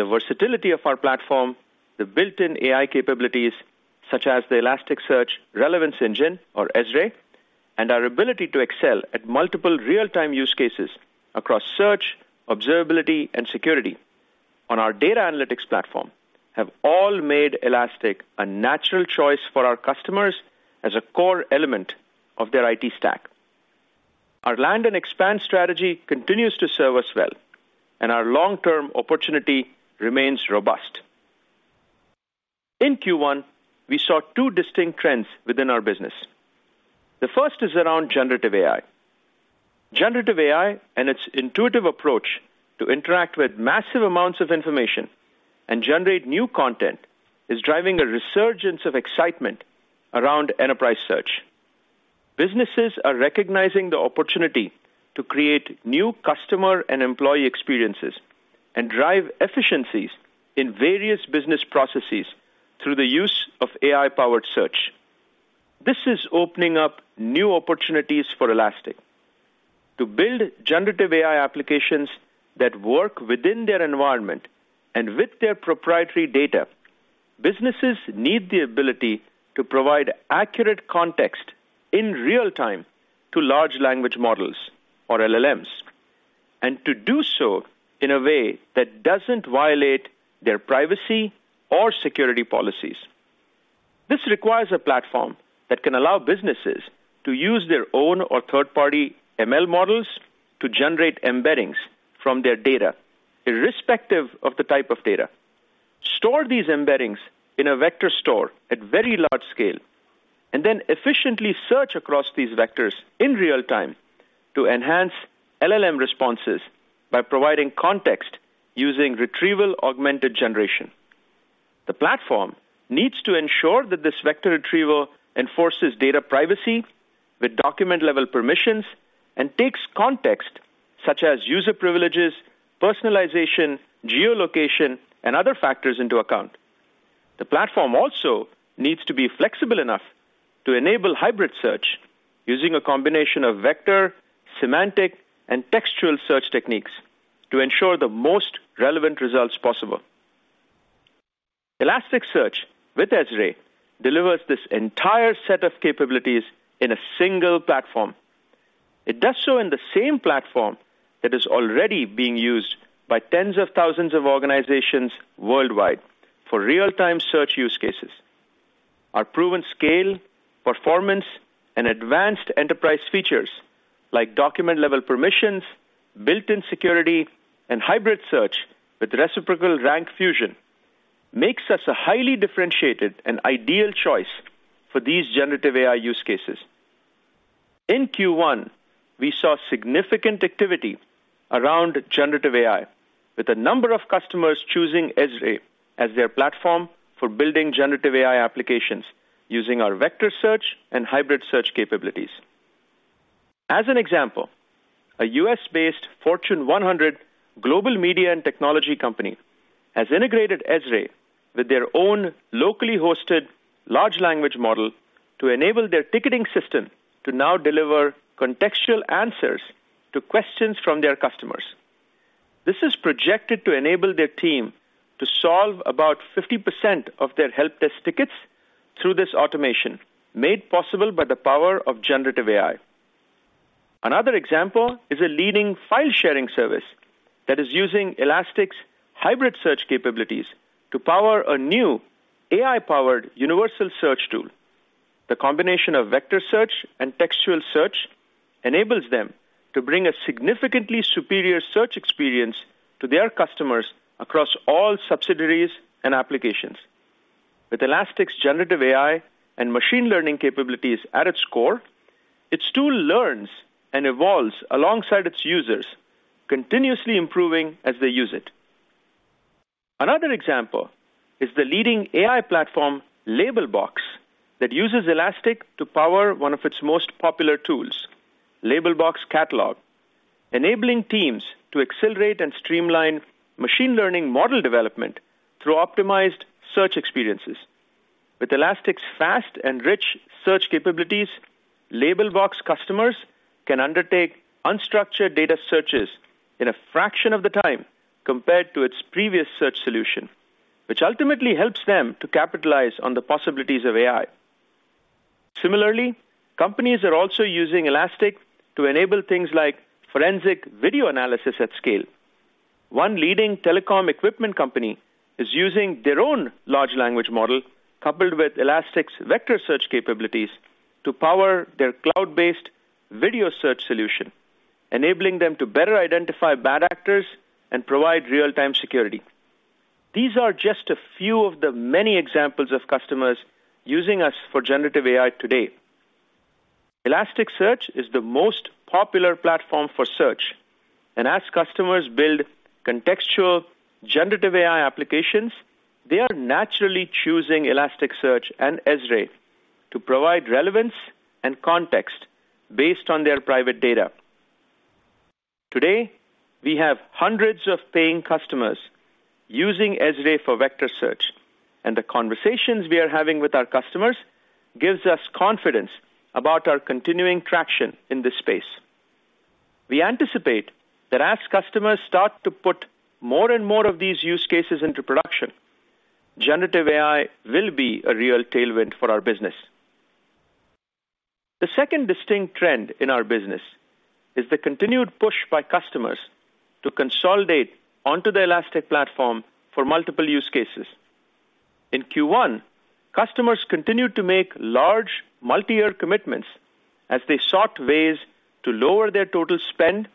The versatility of our platform, the built-in AI capabilities, such as the Elasticsearch Relevance Engine, or ESRE, and our ability to excel at multiple real-time use cases across search, observability, and security on our data analytics platform, have all made Elastic a natural choice for our customers as a core element of their IT stack. Our land and expand strategy continues to serve us well, and our long-term opportunity remains robust. In Q1, we saw two distinct trends within our business. The first is around generative AI. Generative AI and its intuitive approach to interact with massive amounts of information and generate new content is driving a resurgence of excitement around Enterprise search. Businesses are recognizing the opportunity to create new customer and employee experiences and drive efficiencies in various business processes through the use of AI-powered search. This is opening up new opportunities for Elastic. To build generative AI applications that work within their environment and with their proprietary data, businesses need the ability to provide accurate context in real time to large language models, or LLMs, and to do so in a way that doesn't violate their privacy or security policies. This requires a platform that can allow businesses to use their own or third-party ML models to generate embeddings from their data, irrespective of the type of data, store these embeddings in a vector store at very large scale, and then efficiently search across these vectors in real time to enhance LLM responses by providing context using retrieval-augmented generation. The platform needs to ensure that this vector retrieval enforces data privacy with document-level permissions and takes context such as user privileges, personalization, geolocation, and other factors into account. The platform also needs to be flexible enough to enable hybrid search using a combination of vector, semantic, and textual search techniques to ensure the most relevant results possible. Elasticsearch with ESRE delivers this entire set of capabilities in a single platform. It does so in the same platform that is already being used by tens of thousands of organizations worldwide for real-time search use cases. Our proven scale, performance, and advanced enterprise features, like document-level permissions, built-in security, and hybrid search with reciprocal rank fusion, makes us a highly differentiated and ideal choice for these generative AI use cases. In Q1, we saw significant activity around generative AI, with a number of customers choosing ESRE as their platform for building generative AI applications using our vector search and hybrid search capabilities. As an example, a U.S.-based Fortune 100 global media and technology company has integrated ESRE with their own locally hosted large language model to enable their ticketing system to now deliver contextual answers to questions from their customers. This is projected to enable their team to solve about 50% of their help desk tickets through this automation, made possible by the power of generative AI. Another example is a leading file-sharing service that is using Elastic's hybrid search capabilities to power a new AI-powered universal search tool. The combination of vector search and textual search enables them to bring a significantly superior search experience to their customers across all subsidiaries and applications. With Elastic's generative AI and machine learning capabilities at its core, its tool learns and evolves alongside its users, continuously improving as they use it. Another example is the leading AI platform, Labelbox, that uses Elastic to power one of its most popular tools, Labelbox Catalog, enabling teams to accelerate and streamline machine learning model development through optimized search experiences. With Elastic's fast and rich search capabilities, Labelbox customers can undertake unstructured data searches in a fraction of the time compared to its previous search solution, which ultimately helps them to capitalize on the possibilities of AI. Similarly, companies are also using Elastic to enable things like forensic video analysis at scale. One leading telecom equipment company is using their own large language model, coupled with Elastic's vector search capabilities, to power their cloud-based video search solution, enabling them to better identify bad actors and provide real-time security. These are just a few of the many examples of customers using us for generative AI today. Elasticsearch is the most popular platform for search, and as customers build contextual generative AI applications, they are naturally choosing Elasticsearch and ESRE to provide relevance and context based on their private data. Today, we have hundreds of paying customers using ESRE for vector search, and the conversations we are having with our customers gives us confidence about our continuing traction in this space. We anticipate that as customers start to put more and more of these use cases into production, generative AI will be a real tailwind for our business. The second distinct trend in our business is the continued push by customers to consolidate onto the Elastic platform for multiple use cases. In Q1, customers continued to make large, multi-year commitments as they sought ways to lower their total spend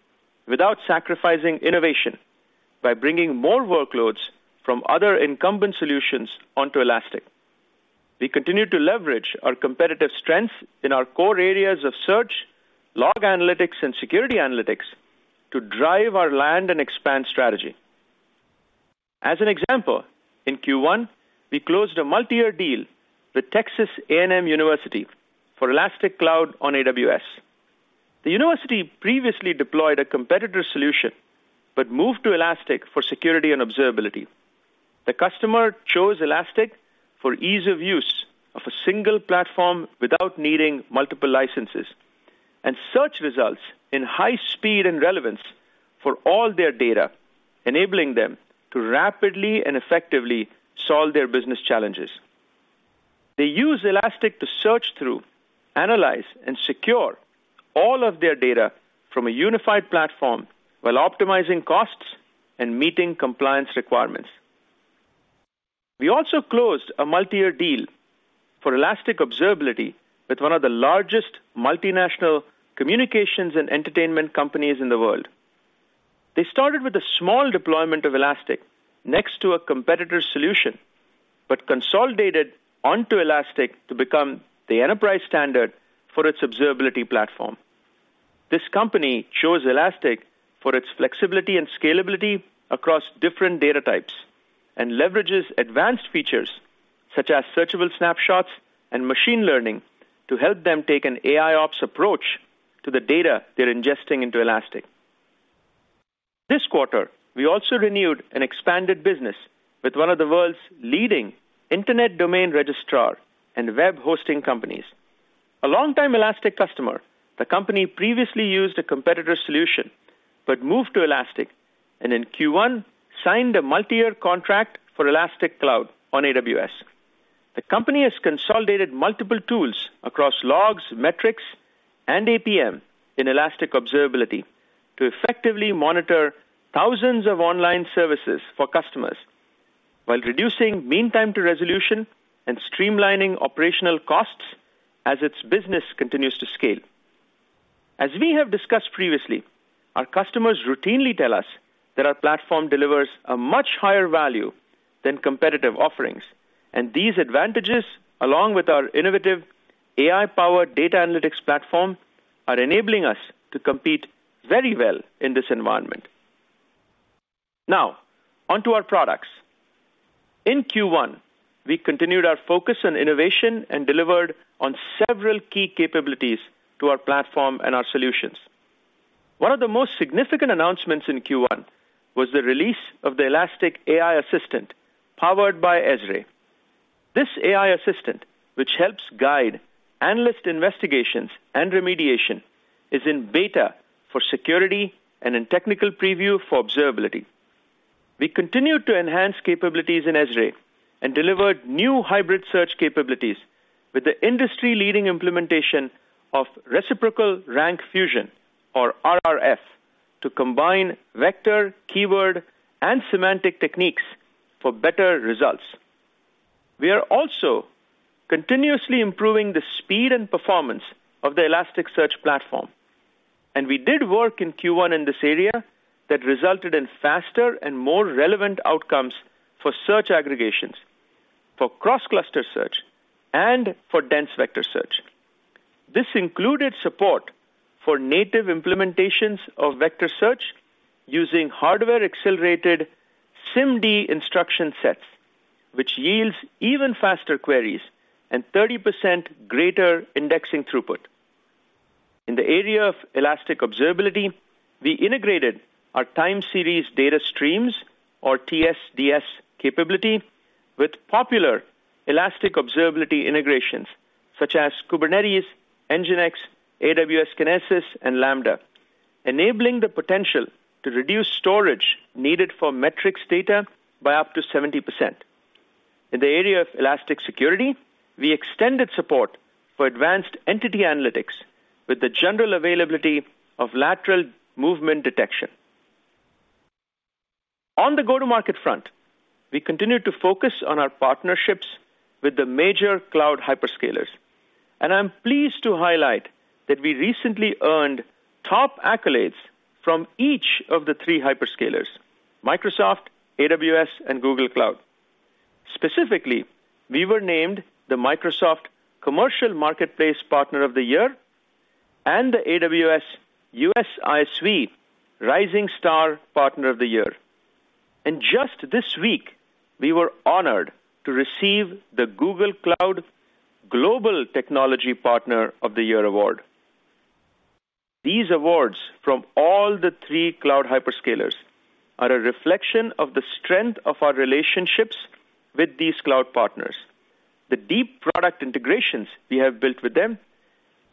without sacrificing innovation, by bringing more workloads from other incumbent solutions onto Elastic. We continued to leverage our competitive strength in our core areas of search, log analytics, and security analytics to drive our land and expand strategy. As an example, in Q1, we closed a multi-year deal with Texas A&M University for Elastic Cloud on AWS. The university previously deployed a competitor solution, but moved to Elastic for security and observability. The customer chose Elastic for ease of use of a single platform without needing multiple licenses, and search results in high speed and relevance for all their data, enabling them to rapidly and effectively solve their business challenges. They use Elastic to search through, analyze, and secure all of their data from a unified platform while optimizing costs and meeting compliance requirements. We also closed a multi-year deal for Elastic Observability with one of the largest multinational communications and entertainment companies in the world. They started with a small deployment of Elastic next to a competitor's solution, but consolidated onto Elastic to become the enterprise standard for its observability platform. This company chose Elastic for its flexibility and scalability across different data types, and leverages advanced features such as searchable snapshots and machine learning to help them take an AIOps approach to the data they're ingesting into Elastic. This quarter, we also renewed an expanded business with one of the world's leading internet domain registrar and web hosting companies. A long-time Elastic customer, the company previously used a competitor solution, but moved to Elastic, and in Q1, signed a multi-year contract for Elastic Cloud on AWS. The company has consolidated multiple tools across logs, metrics, and APM in Elastic Observability to effectively monitor thousands of online services for customers, while reducing mean time to resolution and streamlining operational costs as its business continues to scale. As we have discussed previously, our customers routinely tell us that our platform delivers a much higher value than competitive offerings, and these advantages, along with our innovative AI-powered data analytics platform, are enabling us to compete very well in this environment. Now, onto our products. In Q1, we continued our focus on innovation and delivered on several key capabilities to our platform and our solutions. One of the most significant announcements in Q1 was the release of the Elastic AI Assistant, powered by ESRE. This AI assistant, which helps guide analyst investigations and remediation, is in beta for security and in technical preview for observability. We continued to enhance capabilities in ESRE and delivered new hybrid search capabilities with the industry-leading implementation of reciprocal rank fusion, or RRF, to combine vector, keyword, and semantic techniques for better results. We are also continuously improving the speed and performance of the Elasticsearch Platform, and we did work in Q1 in this area that resulted in faster and more relevant outcomes for search aggregations, for cross-cluster search, and for dense vector search. This included support for native implementations of vector search using hardware-accelerated SIMD instruction sets, which yields even faster queries and 30% greater indexing throughput. In the area of Elastic Observability, we integrated our time series data streams, or TSDS capability, with popular Elastic Observability integrations such as Kubernetes, NGINX, AWS Kinesis, and Lambda, enabling the potential to reduce storage needed for metrics data by up to 70%. In the area of Elastic Security, we extended support for advanced entity analytics with the general availability of lateral movement detection. On the go-to-market front, we continued to focus on our partnerships with the major cloud hyperscalers, and I'm pleased to highlight that we recently earned top accolades from each of the three hyperscalers, Microsoft, AWS, and Google Cloud. Specifically, we were named the Microsoft Commercial Marketplace Partner of the Year and the AWS US ISV Rising Star Partner of the Year. And just this week, we were honored to receive the Google Cloud Global Technology Partner of the Year Award. These awards from all the three cloud hyperscalers are a reflection of the strength of our relationships with these cloud partners, the deep product integrations we have built with them,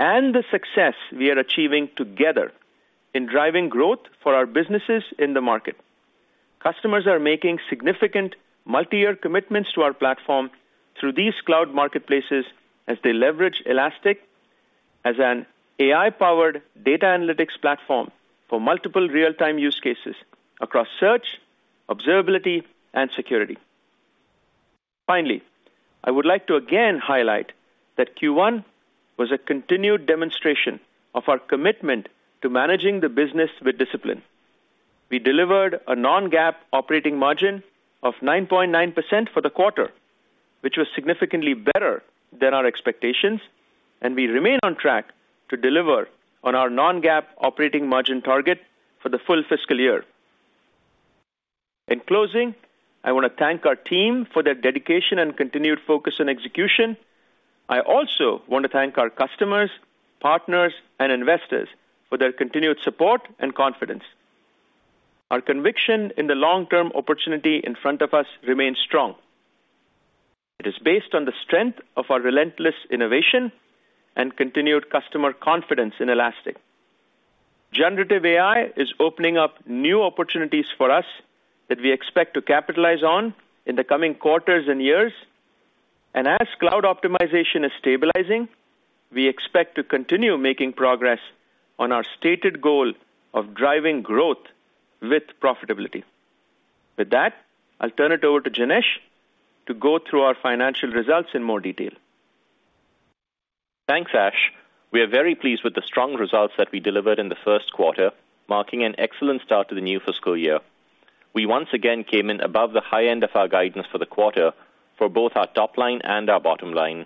and the success we are achieving together in driving growth for our businesses in the market. Customers are making significant multi-year commitments to our platform through these cloud marketplaces as they leverage Elastic as an AI-powered data analytics platform for multiple real-time use cases across search, observability, and security. Finally, I would like to again highlight that Q1 was a continued demonstration of our commitment to managing the business with discipline. We delivered a non-GAAP operating margin of 9.9% for the quarter, which was significantly better than our expectations, and we remain on track to deliver on our non-GAAP operating margin target for the full fiscal year. In closing, I want to thank our team for their dedication and continued focus on execution. I also want to thank our customers, partners, and investors for their continued support and confidence. Our conviction in the long-term opportunity in front of us remains strong. It is based on the strength of our relentless innovation and continued customer confidence in Elastic. Generative AI is opening up new opportunities for us that we expect to capitalize on in the coming quarters and years. As cloud optimization is stabilizing, we expect to continue making progress on our stated goal of driving growth with profitability. With that, I'll turn it over to Janesh to go through our financial results in more detail. Thanks, Ash. We are very pleased with the strong results that we delivered in the first quarter, marking an excellent start to the new fiscal year. We once again came in above the high end of our guidance for the quarter for both our top line and our bottom line.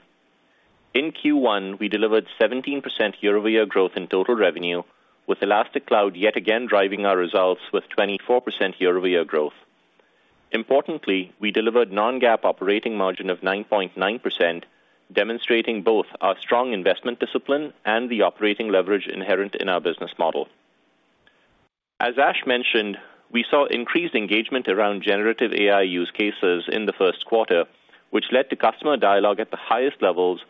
In Q1, we delivered 17% year-over-year growth in total revenue, with Elastic Cloud yet again driving our results with 24% year-over-year growth. Importantly, we delivered non-GAAP operating margin of 9.9%, demonstrating both our strong investment discipline and the operating leverage inherent in our business model. As Ash mentioned, we saw increased engagement around generative AI use cases in the first quarter, which led to customer dialogue at the highest levels,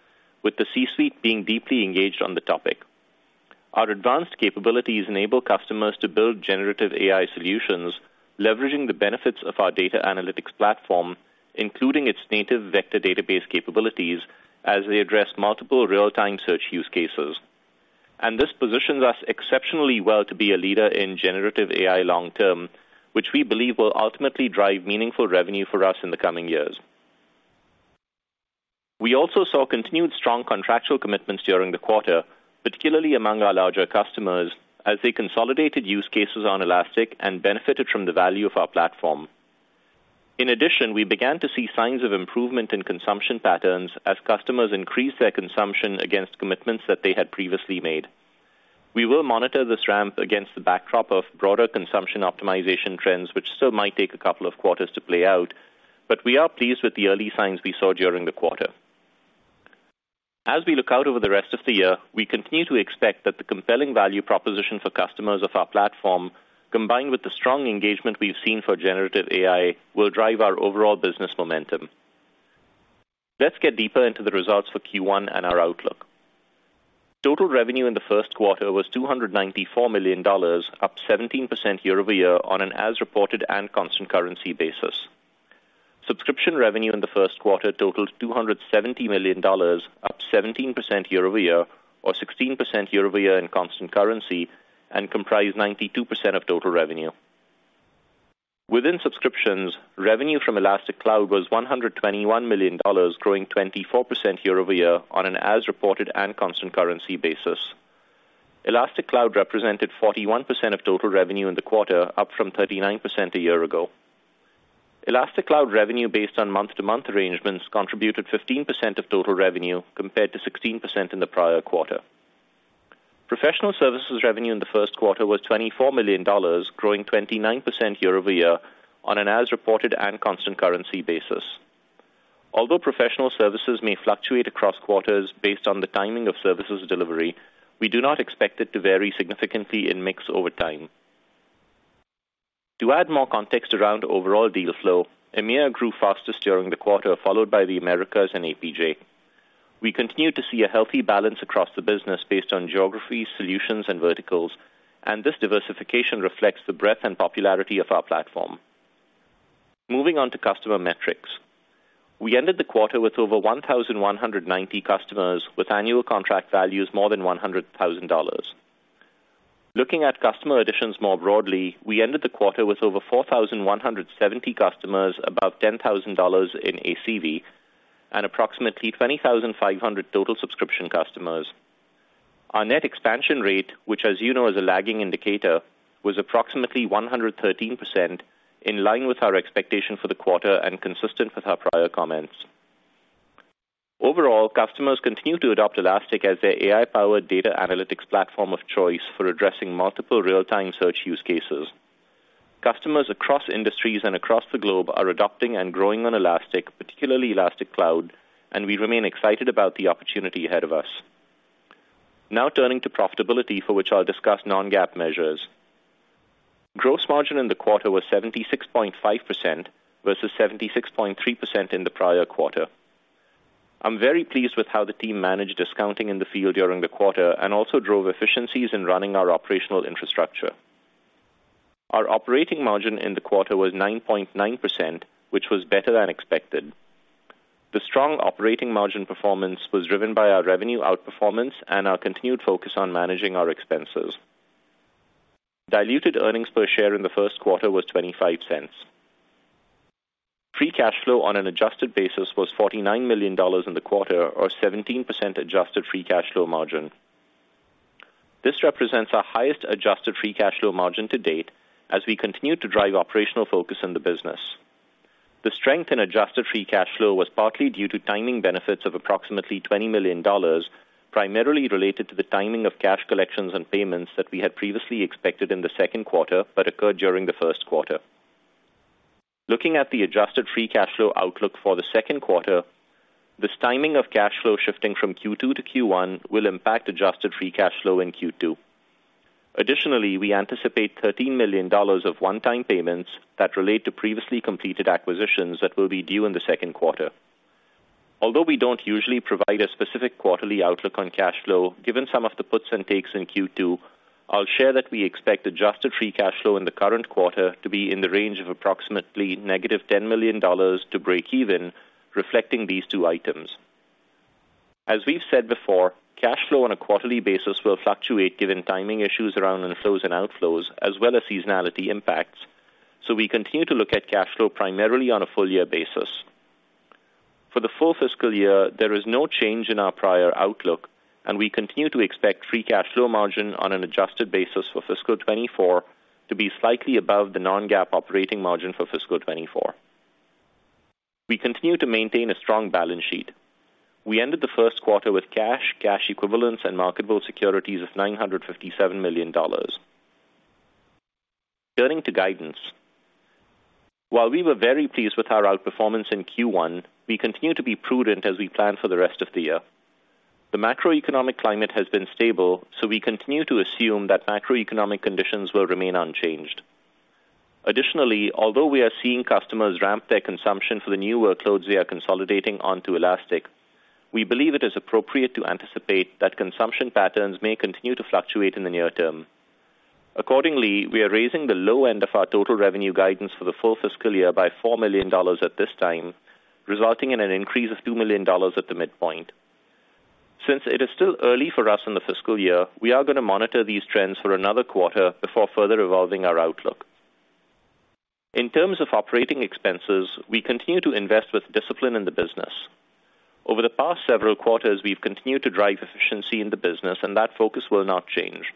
with the C-suite being deeply engaged on the topic. Our advanced capabilities enable customers to build generative AI solutions, leveraging the benefits of our data analytics platform, including its native vector database capabilities, as they address multiple real-time search use cases. This positions us exceptionally well to be a leader in generative AI long term, which we believe will ultimately drive meaningful revenue for us in the coming years. We also saw continued strong contractual commitments during the quarter, particularly among our larger customers, as they consolidated use cases on Elastic and benefited from the value of our platform. In addition, we began to see signs of improvement in consumption patterns as customers increased their consumption against commitments that they had previously made. We will monitor this ramp against the backdrop of broader consumption optimization trends, which still might take a couple of quarters to play out, but we are pleased with the early signs we saw during the quarter. As we look out over the rest of the year, we continue to expect that the compelling value proposition for customers of our platform, combined with the strong engagement we've seen for generative AI, will drive our overall business momentum. Let's get deeper into the results for Q1 and our outlook. Total revenue in the first quarter was $294 million, up 17% year-over-year on an as reported and constant currency basis. Subscription revenue in the first quarter totaled $270 million, up 17% year-over-year, or 16% year-over-year in constant currency, and comprised 92% of total revenue. Within subscriptions, revenue from Elastic Cloud was $121 million, growing 24% year-over-year on an as reported and constant currency basis. Elastic Cloud represented 41% of total revenue in the quarter, up from 39% a year ago. Elastic Cloud revenue based on month-to-month arrangements contributed 15% of total revenue, compared to 16% in the prior quarter. Professional services revenue in the first quarter was $24 million, growing 29% year-over-year on an as reported and constant currency basis. Although professional services may fluctuate across quarters based on the timing of services delivery, we do not expect it to vary significantly in mix over time. To add more context around overall deal flow, EMEA grew fastest during the quarter, followed by the Americas and APJ. We continue to see a healthy balance across the business based on geographies, solutions, and verticals, and this diversification reflects the breadth and popularity of our platform. Moving on to customer metrics. We ended the quarter with over 1,190 customers, with annual contract values more than $100,000. Looking at customer additions more broadly, we ended the quarter with over 4,170 customers, about $10,000 in ACV, and approximately 25,500 total subscription customers. Our net expansion rate, which, as you know, is a lagging indicator, was approximately 113%, in line with our expectation for the quarter and consistent with our prior comments. Overall, customers continue to adopt Elastic as their AI-powered data analytics platform of choice for addressing multiple real-time search use cases.... Customers across industries and across the globe are adopting and growing on Elastic, particularly Elastic Cloud, and we remain excited about the opportunity ahead of us. Now turning to profitability, for which I'll discuss non-GAAP measures. Gross margin in the quarter was 76.5%, versus 76.3% in the prior quarter. I'm very pleased with how the team managed discounting in the field during the quarter and also drove efficiencies in running our operational infrastructure. Our operating margin in the quarter was 9.9%, which was better than expected. The strong operating margin performance was driven by our revenue outperformance and our continued focus on managing our expenses. Diluted earnings per share in the first quarter was $0.25. Free cash flow on an adjusted basis was $49 million in the quarter, or 17% adjusted free cash flow margin. This represents our highest adjusted free cash flow margin to date, as we continue to drive operational focus in the business. The strength in adjusted free cash flow was partly due to timing benefits of approximately $20 million, primarily related to the timing of cash collections and payments that we had previously expected in the second quarter, but occurred during the first quarter. Looking at the adjusted free cash flow outlook for the second quarter, this timing of cash flow shifting from Q2 to Q1 will impact adjusted free cash flow in Q2. Additionally, we anticipate $13 million of one-time payments that relate to previously completed acquisitions that will be due in the second quarter. Although we don't usually provide a specific quarterly outlook on cash flow, given some of the puts and takes in Q2, I'll share that we expect adjusted free cash flow in the current quarter to be in the range of approximately -$10 million to breakeven, reflecting these two items. As we've said before, cash flow on a quarterly basis will fluctuate given timing issues around inflows and outflows, as well as seasonality impacts, so we continue to look at cash flow primarily on a full year basis. For the full fiscal year, there is no change in our prior outlook, and we continue to expect free cash flow margin on an adjusted basis for Fiscal 2024 to be slightly above the non-GAAP operating margin for Fiscal 2024. We continue to maintain a strong balance sheet. We ended the first quarter with cash, cash equivalents, and marketable securities of $957 million. Turning to guidance. While we were very pleased with our outperformance in Q1, we continue to be prudent as we plan for the rest of the year. The macroeconomic climate has been stable, so we continue to assume that macroeconomic conditions will remain unchanged. Additionally, although we are seeing customers ramp their consumption for the new workloads we are consolidating onto Elastic, we believe it is appropriate to anticipate that consumption patterns may continue to fluctuate in the near term. Accordingly, we are raising the low end of our total revenue guidance for the full fiscal year by $4 million at this time, resulting in an increase of $2 million at the midpoint. Since it is still early for us in the fiscal year, we are going to monitor these trends for another quarter before further evolving our outlook. In terms of operating expenses, we continue to invest with discipline in the business. Over the past several quarters, we've continued to drive efficiency in the business, and that focus will not change.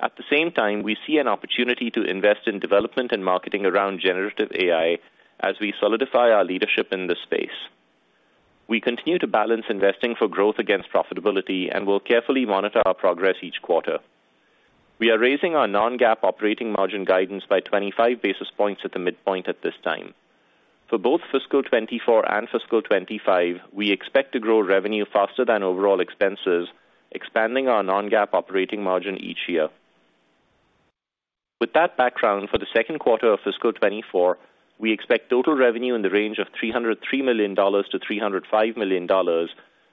At the same time, we see an opportunity to invest in development and marketing around generative AI as we solidify our leadership in this space. We continue to balance investing for growth against profitability and will carefully monitor our progress each quarter. We are raising our non-GAAP operating margin guidance by 25 basis points at the midpoint at this time. For both Fiscal 2024 and Fiscal 2025, we expect to grow revenue faster than overall expenses, expanding our non-GAAP operating margin each year. With that background, for the second quarter of Fiscal 2024, we expect total revenue in the range of $303 million-$305 million,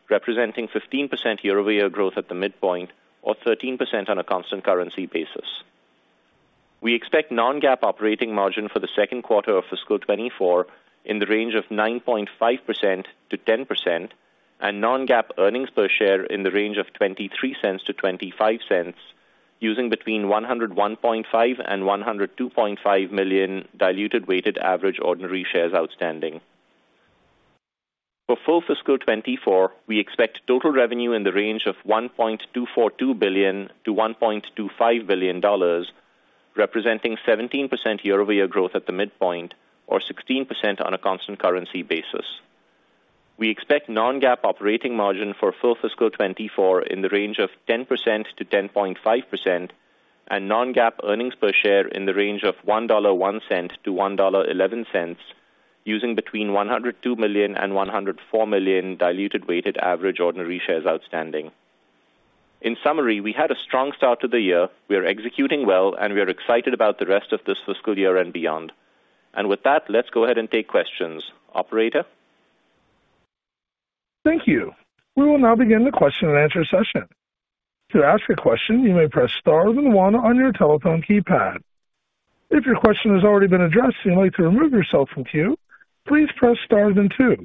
representing 15% year-over-year growth at the midpoint, or 13% on a constant currency basis. We expect non-GAAP operating margin for the second quarter of Fiscal 2024 in the range of 9.5%-10% and non-GAAP earnings per share in the range of $0.23-$0.25, using between 101.5 and 102.5 million diluted weighted average ordinary shares outstanding. For full Fiscal 2024, we expect total revenue in the range of $1.242 billion-$1.25 billion, representing 17% year-over-year growth at the midpoint, or 16% on a constant currency basis. We expect non-GAAP operating margin for full Fiscal 2024 in the range of 10%-10.5% and non-GAAP earnings per share in the range of $1.01-$1.11, using between 102 million and 104 million diluted weighted average ordinary shares outstanding. In summary, we had a strong start to the year. We are executing well, and we are excited about the rest of this Fiscal year and beyond. And with that, let's go ahead and take questions. Operator? Thank you. We will now begin the question-and-answer session. To ask a question, you may press star then one on your telephone keypad. If your question has already been addressed, and you'd like to remove yourself from queue, please press star then two.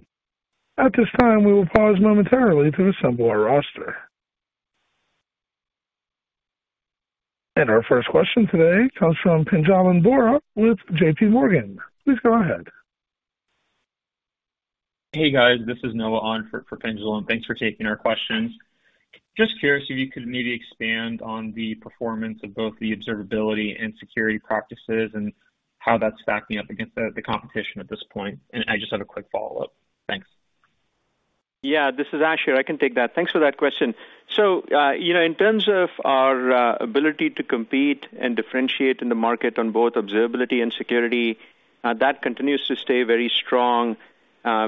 At this time, we will pause momentarily to assemble our roster. Our first question today comes from Pinjalim Bora with J.P. Morgan. Please go ahead. Hey, guys, this is Noah on for Pinjalim, and thanks for taking our questions. Just curious if you could maybe expand on the performance of both the observability and security practices and how that's stacking up against the, the competition at this point, and I just have a quick follow-up. Thanks. ... Yeah, this is Ash here. I can take that. Thanks for that question. So, you know, in terms of our ability to compete and differentiate in the market on both observability and security, that continues to stay very strong.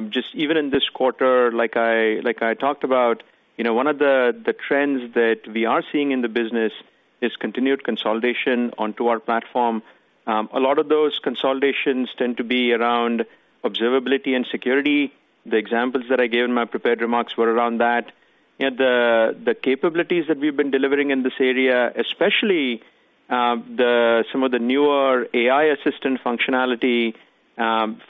Just even in this quarter, like I talked about, you know, one of the trends that we are seeing in the business is continued consolidation onto our platform. A lot of those consolidations tend to be around observability and security. The examples that I gave in my prepared remarks were around that. Yet the capabilities that we've been delivering in this area, especially some of the newer AI assistant functionality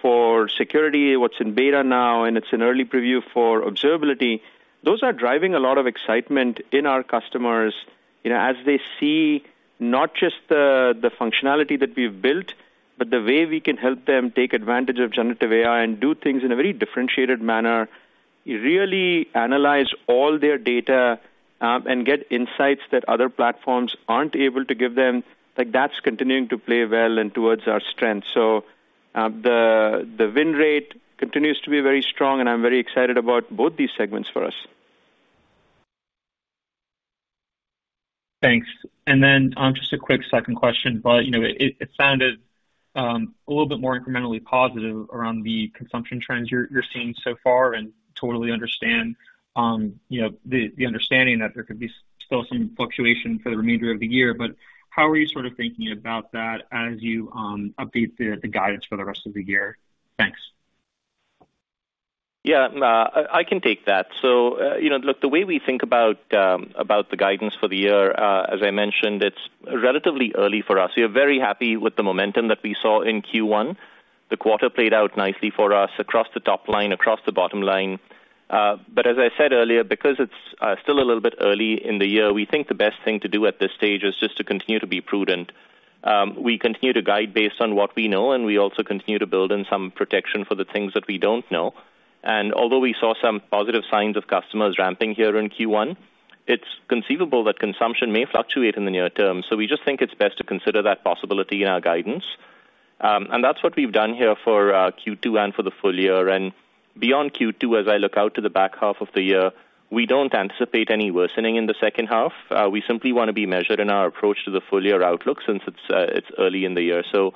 for security, what's in beta now, and it's an early preview for observability, those are driving a lot of excitement in our customers, you know, as they see not just the functionality that we've built, but the way we can help them take advantage of generative AI and do things in a very differentiated manner, really analyze all their data, and get insights that other platforms aren't able to give them. Like, that's continuing to play well and towards our strength. So, the win rate continues to be very strong, and I'm very excited about both these segments for us. Thanks. Then, just a quick second question. You know, it sounded a little bit more incrementally positive around the consumption trends you're seeing so far, and totally understand you know, the understanding that there could be still some fluctuation for the remainder of the year. How are you sort of thinking about that as you update the guidance for the rest of the year? Thanks. Yeah, I can take that. So, you know, look, the way we think about about the guidance for the year, as I mentioned, it's relatively early for us. We are very happy with the momentum that we saw in Q1. The quarter played out nicely for us across the top line, across the bottom line. But as I said earlier, because it's still a little bit early in the year, we think the best thing to do at this stage is just to continue to be prudent. We continue to guide based on what we know, and we also continue to build in some protection for the things that we don't know. And although we saw some positive signs of customers ramping here in Q1, it's conceivable that consumption may fluctuate in the near term. So we just think it's best to consider that possibility in our guidance. And that's what we've done here for Q2 and for the full year. And beyond Q2, as I look out to the back half of the year, we don't anticipate any worsening in the second half. We simply wanna be measured in our approach to the full year outlook, since it's early in the year. So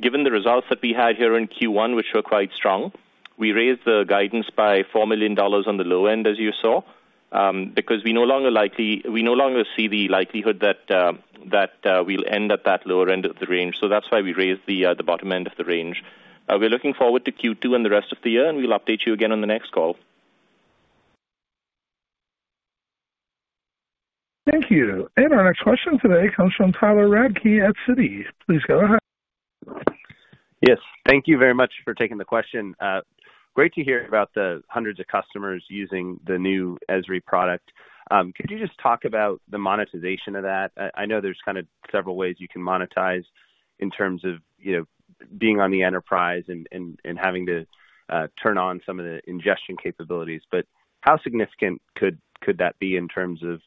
given the results that we had here in Q1, which were quite strong, we raised the guidance by $4 million on the low end, as you saw, because we no longer likely-- we no longer see the likelihood that we'll end at that lower end of the range. So that's why we raised the bottom end of the range. We're looking forward to Q2 and the rest of the year, and we'll update you again on the next call. Thank you. Our next question today comes from Tyler Radke at Citi. Please go ahead. Yes. Thank you very much for taking the question. Great to hear about the hundreds of customers using the new ESRE product. Could you just talk about the monetization of that? I know there's kind of several ways you can monetize in terms of, you know, being on the enterprise and having to turn on some of the ingestion capabilities, but how significant could that be in terms of,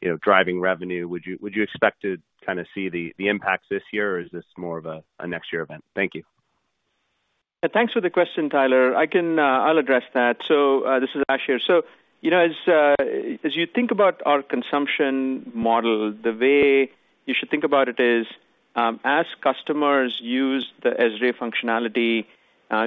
you know, driving revenue? Would you expect to kind of see the impacts this year, or is this more of a next year event? Thank you. Thanks for the question, Tyler. I can, I'll address that. So, this is Ash here. So, you know, as you think about our consumption model, the way you should think about it is, as customers use the ESRE functionality,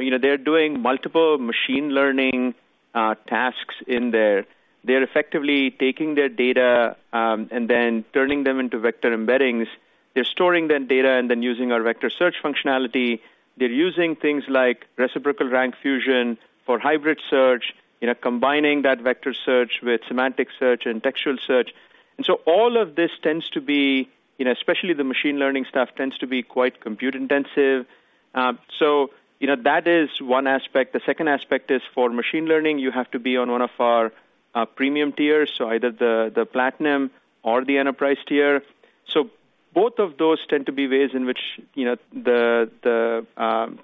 you know, they're doing multiple machine learning tasks in there. They're effectively taking their data, and then turning them into vector embeddings. They're storing that data and then using our vector search functionality. They're using things like reciprocal rank fusion for hybrid search, you know, combining that vector search with semantic search and textual search. And so all of this tends to be, you know, especially the machine learning stuff, tends to be quite compute-intensive. So, you know, that is one aspect. The second aspect is, for machine learning, you have to be on one of our premium tiers, so either the Platinum or the Enterprise tier. So both of those tend to be ways in which, you know, the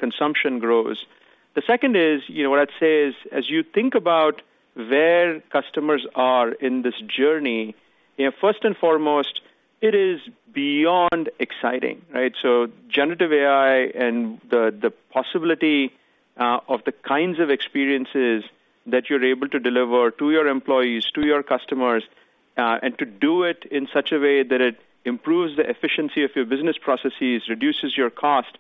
consumption grows. The second is, you know, what I'd say is, as you think about where customers are in this journey, you know, first and foremost, it is beyond exciting, right? So generative AI and the possibility of the kinds of experiences that you're able to deliver to your employees, to your customers, and to do it in such a way that it improves the efficiency of your business processes, reduces your cost,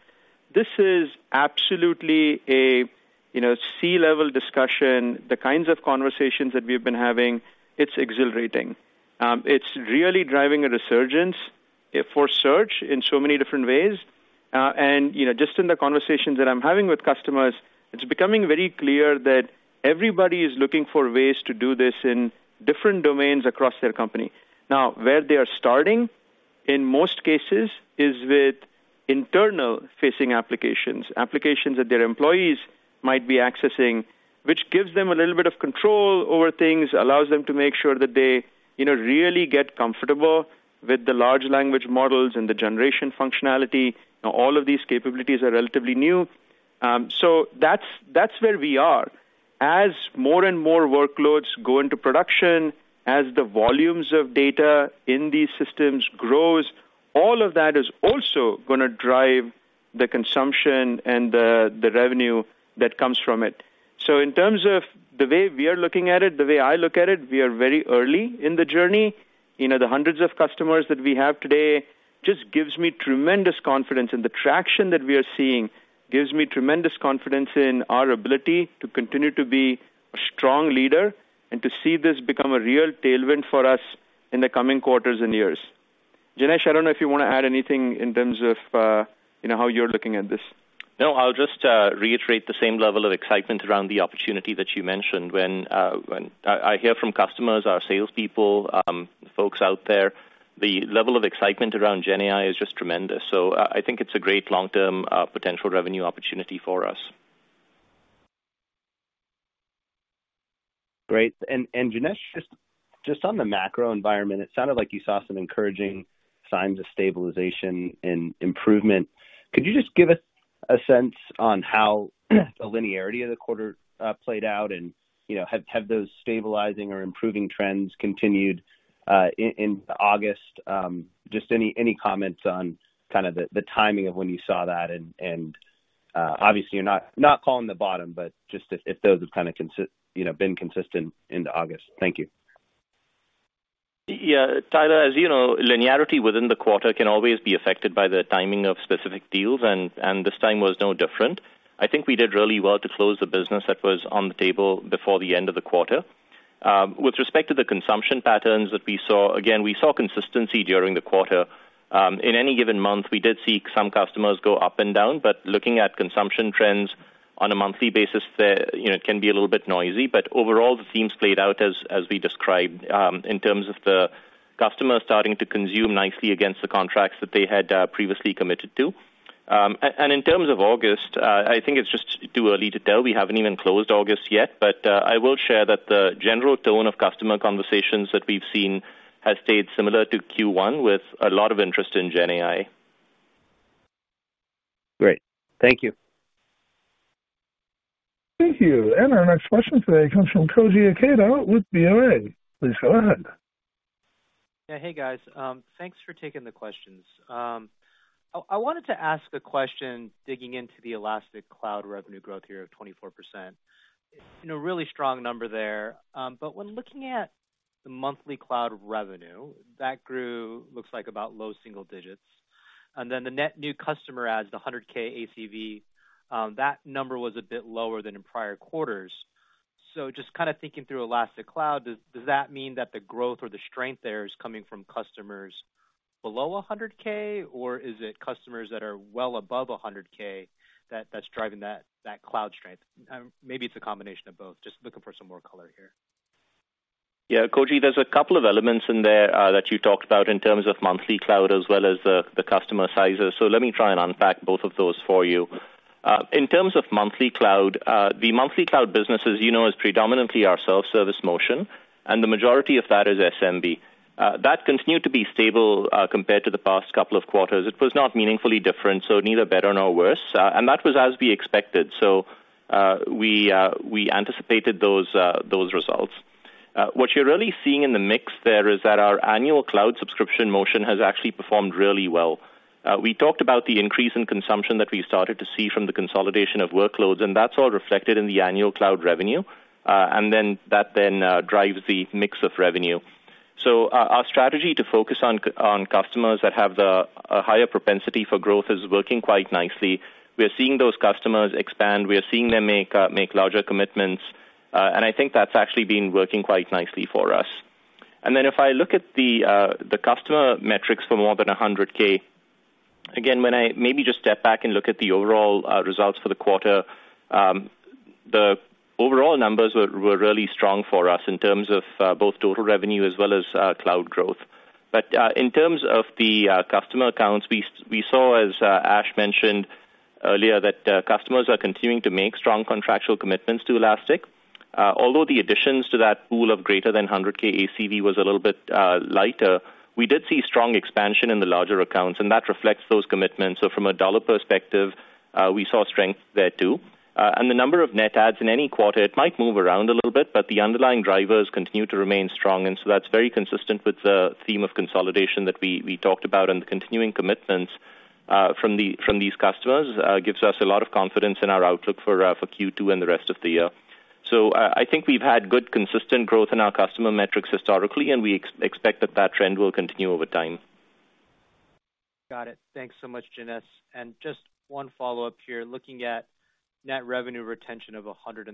this is absolutely a, you know, C-level discussion. The kinds of conversations that we've been having, it's exhilarating. It's really driving a resurgence for search in so many different ways. And, you know, just in the conversations that I'm having with customers, it's becoming very clear that everybody is looking for ways to do this in different domains across their company. Now, where they are starting, in most cases, is with internal-facing applications, applications that their employees might be accessing, which gives them a little bit of control over things, allows them to make sure that they, you know, really get comfortable with the large language models and the generation functionality. Now, all of these capabilities are relatively new. So that's where we are. As more and more workloads go into production, as the volumes of data in these systems grows, all of that is also gonna drive the consumption and the revenue that comes from it. So in terms of the way we are looking at it, the way I look at it, we are very early in the journey. You know, the hundreds of customers that we have today just gives me tremendous confidence, and the traction that we are seeing gives me tremendous confidence in our ability to continue to be a strong leader and to see this become a real tailwind for us in the coming quarters and years. Janesh, I don't know if you want to add anything in terms of, you know, how you're looking at this. No, I'll just reiterate the same level of excitement around the opportunity that you mentioned. When I hear from customers, our salespeople, folks out there, the level of excitement around GenAI is just tremendous. So, I think it's a great long-term potential revenue opportunity for us. Great. Janesh, just on the macro environment, it sounded like you saw some encouraging signs of stabilization and improvement. Could you just give us a sense on how the linearity of the quarter played out? And, you know, have those stabilizing or improving trends continued in August? Just any comments on kind of the timing of when you saw that and obviously, you're not calling the bottom, but just if those have kind of consistent, you know, been consistent into August. Thank you. Yeah, Tyler, as you know, linearity within the quarter can always be affected by the timing of specific deals, and this time was no different. I think we did really well to close the business that was on the table before the end of the quarter. With respect to the consumption patterns that we saw, again, we saw consistency during the quarter. In any given month, we did see some customers go up and down, but looking at consumption trends on a monthly basis, you know, it can be a little bit noisy, but overall, the themes played out as we described, in terms of the customers starting to consume nicely against the contracts that they had previously committed to. And in terms of August, I think it's just too early to tell. We haven't even closed August yet, but, I will share that the general tone of customer conversations that we've seen has stayed similar to Q1, with a lot of interest in GenAI. Great. Thank you. Thank you. Our next question today comes from Koji Ikeda with BofA. Please go ahead. Yeah. Hey, guys. Thanks for taking the questions. I wanted to ask a question digging into the Elastic Cloud revenue growth here of 24%. You know, really strong number there, but when looking at the monthly cloud revenue, that grew, looks like about low single digits. And then the net new customer adds the 100K ACV, that number was a bit lower than in prior quarters. So just kind of thinking through Elastic Cloud, does that mean that the growth or the strength there is coming from customers below a 100K, or is it customers that are well above a 100K, that's driving that cloud strength? Maybe it's a combination of both. Just looking for some more color here. Yeah, Koji, there's a couple of elements in there that you talked about in terms of monthly cloud as well as the customer sizes. So let me try and unpack both of those for you. In terms of monthly cloud, the monthly cloud business, as you know, is predominantly our self-service motion, and the majority of that is SMB. That continued to be stable compared to the past couple of quarters. It was not meaningfully different, so neither better nor worse, and that was as we expected. So we anticipated those results. What you're really seeing in the mix there is that our annual cloud subscription motion has actually performed really well. We talked about the increase in consumption that we started to see from the consolidation of workloads, and that's all reflected in the annual cloud revenue, and then that drives the mix of revenue. So our strategy to focus on customers that have a higher propensity for growth is working quite nicely. We are seeing those customers expand, we are seeing them make larger commitments, and I think that's actually been working quite nicely for us. And then if I look at the customer metrics for more than 100K, again, when I maybe just step back and look at the overall results for the quarter, the overall numbers were really strong for us in terms of both total revenue as well as cloud growth. But, in terms of the customer accounts, we saw, as Ash mentioned earlier, that customers are continuing to make strong contractual commitments to Elastic. Although the additions to that pool of greater than 100K ACV was a little bit lighter, we did see strong expansion in the larger accounts, and that reflects those commitments. So from a dollar perspective, we saw strength there, too. And the number of net adds in any quarter, it might move around a little bit, but the underlying drivers continue to remain strong, and so that's very consistent with the theme of consolidation that we talked about. And the continuing commitments from these customers gives us a lot of confidence in our outlook for Q2 and the rest of the year. I think we've had good, consistent growth in our customer metrics historically, and we expect that that trend will continue over time. Got it. Thanks so much, Janesh. Just one follow-up here. Looking at net revenue retention of 113%,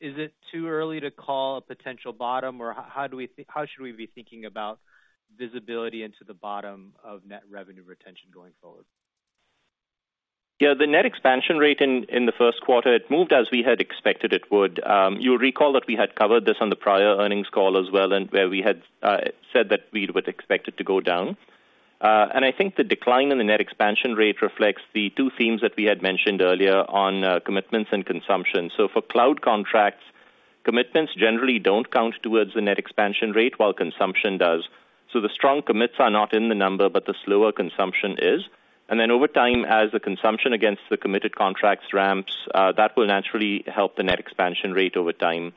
is it too early to call a potential bottom, or how should we be thinking about visibility into the bottom of net revenue retention going forward? Yeah, the net expansion rate in, in the first quarter, it moved as we had expected it would. You'll recall that we had covered this on the prior earnings call as well, and where we had said that we would expect it to go down. And I think the decline in the net expansion rate reflects the two themes that we had mentioned earlier on, commitments and consumption. So for cloud contracts, commitments generally don't count towards the net expansion rate, while consumption does. So the strong commits are not in the number, but the slower consumption is. And then over time, as the consumption against the committed contracts ramps, that will naturally help the net expansion rate over time....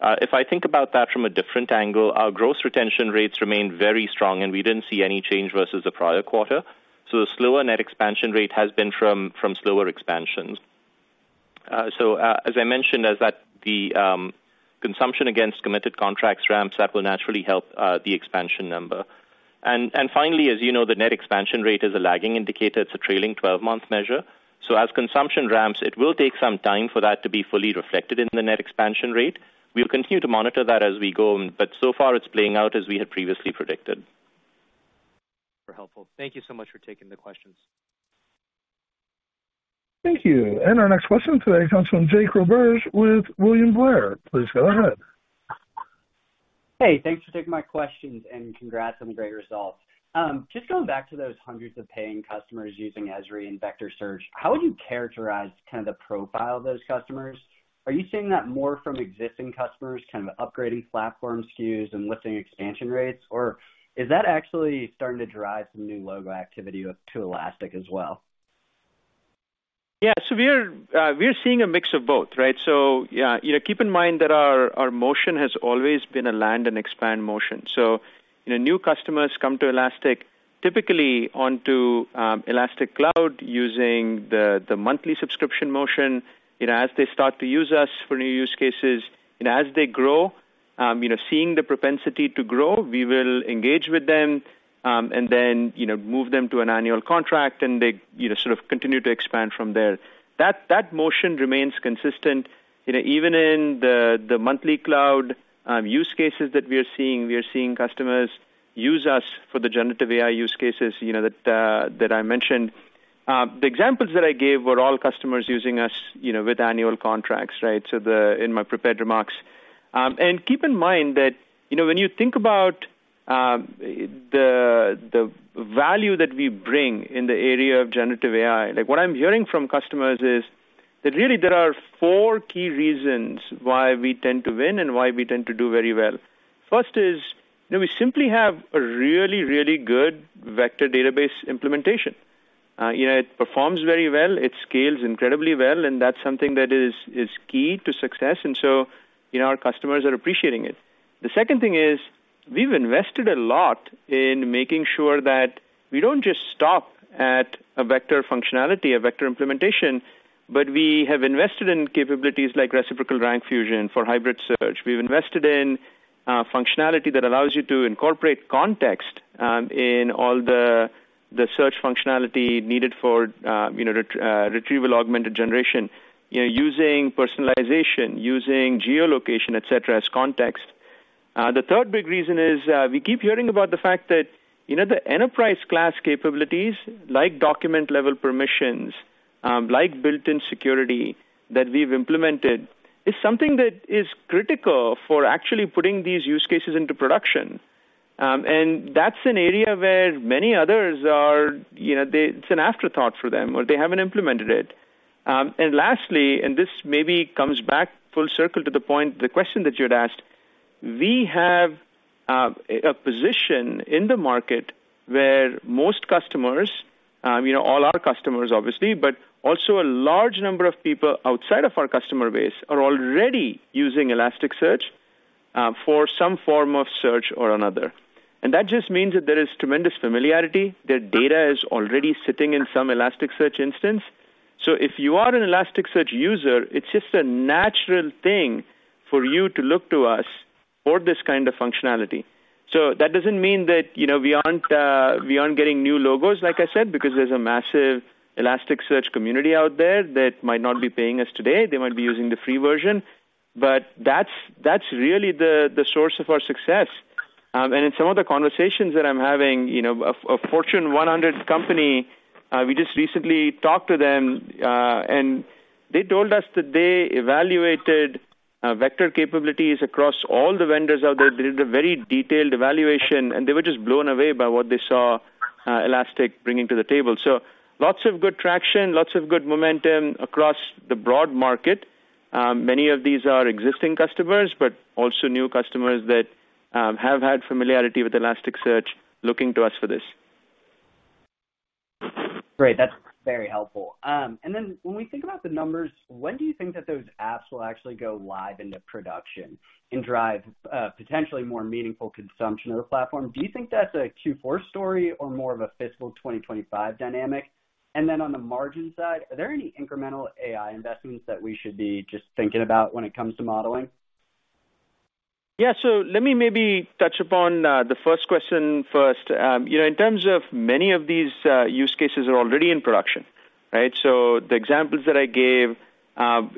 If I think about that from a different angle, our gross retention rate remains very strong, and we didn't see any change versus the prior quarter. So the slower Net Expansion Rate has been from slower expansions. As I mentioned, as the consumption against committed contracts ramps, that will naturally help the expansion number. And finally, as you know, the Net Expansion Rate is a lagging indicator. It's a trailing twelve-month measure. So as consumption ramps, it will take some time for that to be fully reflected in the Net Expansion Rate. We'll continue to monitor that as we go, but so far, it's playing out as we had previously predicted. Very helpful. Thank you so much for taking the questions. Thank you. Our next question today comes from Jake Roberge with William Blair. Please go ahead. Hey, thanks for taking my questions, and congrats on the great results. Just going back to those hundreds of paying customers using ESRE and vector search, how would you characterize kind of the profile of those customers? Are you seeing that more from existing customers, kind of upgrading platform SKUs and lifting expansion rates, or is that actually starting to drive some new logo activity to Elastic as well? Yeah. So we are seeing a mix of both, right? So, yeah, you know, keep in mind that our motion has always been a land and expand motion. So, you know, new customers come to Elastic, typically onto Elastic Cloud, using the monthly subscription motion. You know, as they start to use us for new use cases and as they grow, you know, seeing the propensity to grow, we will engage with them, and then, you know, move them to an annual contract, and they, you know, sort of continue to expand from there. That motion remains consistent. You know, even in the monthly cloud use cases that we are seeing, we are seeing customers use us for the generative AI use cases, you know, that I mentioned. The examples that I gave were all customers using us, you know, with annual contracts, right? In my prepared remarks. And keep in mind that, you know, when you think about, the, the value that we bring in the area of generative AI, like, what I'm hearing from customers is that really there are four key reasons why we tend to win and why we tend to do very well. First is, you know, we simply have a really, really good vector database implementation. You know, it performs very well, it scales incredibly well, and that's something that is, is key to success, and so, you know, our customers are appreciating it. The second thing is, we've invested a lot in making sure that we don't just stop at a vector functionality, a vector implementation, but we have invested in capabilities like Reciprocal Rank Fusion for Hybrid Search. We've invested in functionality that allows you to incorporate context in all the search functionality needed for, you know, Retrieval-Augmented Generation, you know, using personalization, using geolocation, et cetera, as context. The third big reason is, we keep hearing about the fact that, you know, the enterprise-class capabilities, like Document-Level Permissions, like built-in security that we've implemented, is something that is critical for actually putting these use cases into production. And that's an area where many others are... You know, it's an afterthought for them, or they haven't implemented it. And lastly, and this maybe comes back full circle to the point, the question that you had asked, we have a position in the market where most customers, you know, all our customers, obviously, but also a large number of people outside of our customer base, are already using Elasticsearch for some form of search or another. And that just means that there is tremendous familiarity, that data is already sitting in some Elasticsearch instance. So if you are an Elasticsearch user, it's just a natural thing for you to look to us for this kind of functionality. So that doesn't mean that, you know, we aren't getting new logos, like I said, because there's a massive Elasticsearch community out there that might not be paying us today. They might be using the free version. But that's really the source of our success. And in some of the conversations that I'm having, you know, a Fortune 100 company, we just recently talked to them, and they told us that they evaluated vector capabilities across all the vendors out there. They did a very detailed evaluation, and they were just blown away by what they saw, Elastic bringing to the table. So lots of good traction, lots of good momentum across the broad market. Many of these are existing customers, but also new customers that have had familiarity with Elasticsearch looking to us for this. Great. That's very helpful. And then when we think about the numbers, when do you think that those apps will actually go live into production and drive, potentially more meaningful consumption of the platform? Do you think that's a Q4 story or more of a Fiscal 2025 dynamic? And then on the margin side, are there any incremental AI investments that we should be just thinking about when it comes to modeling? Yeah. So let me maybe touch upon the first question first. You know, in terms of many of these use cases are already in production, right? So the examples that I gave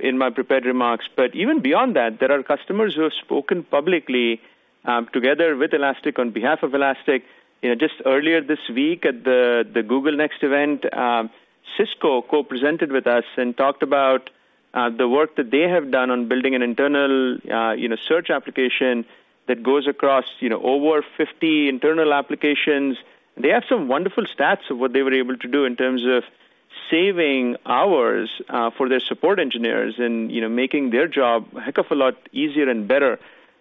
in my prepared remarks, but even beyond that, there are customers who have spoken publicly together with Elastic, on behalf of Elastic. You know, just earlier this week at the Google Next event, Cisco co-presented with us and talked about the work that they have done on building an internal you know, search application that goes across you know, over 50 internal applications. They have some wonderful stats of what they were able to do in terms of saving hours for their support engineers and you know, making their job a heck of a lot easier and better....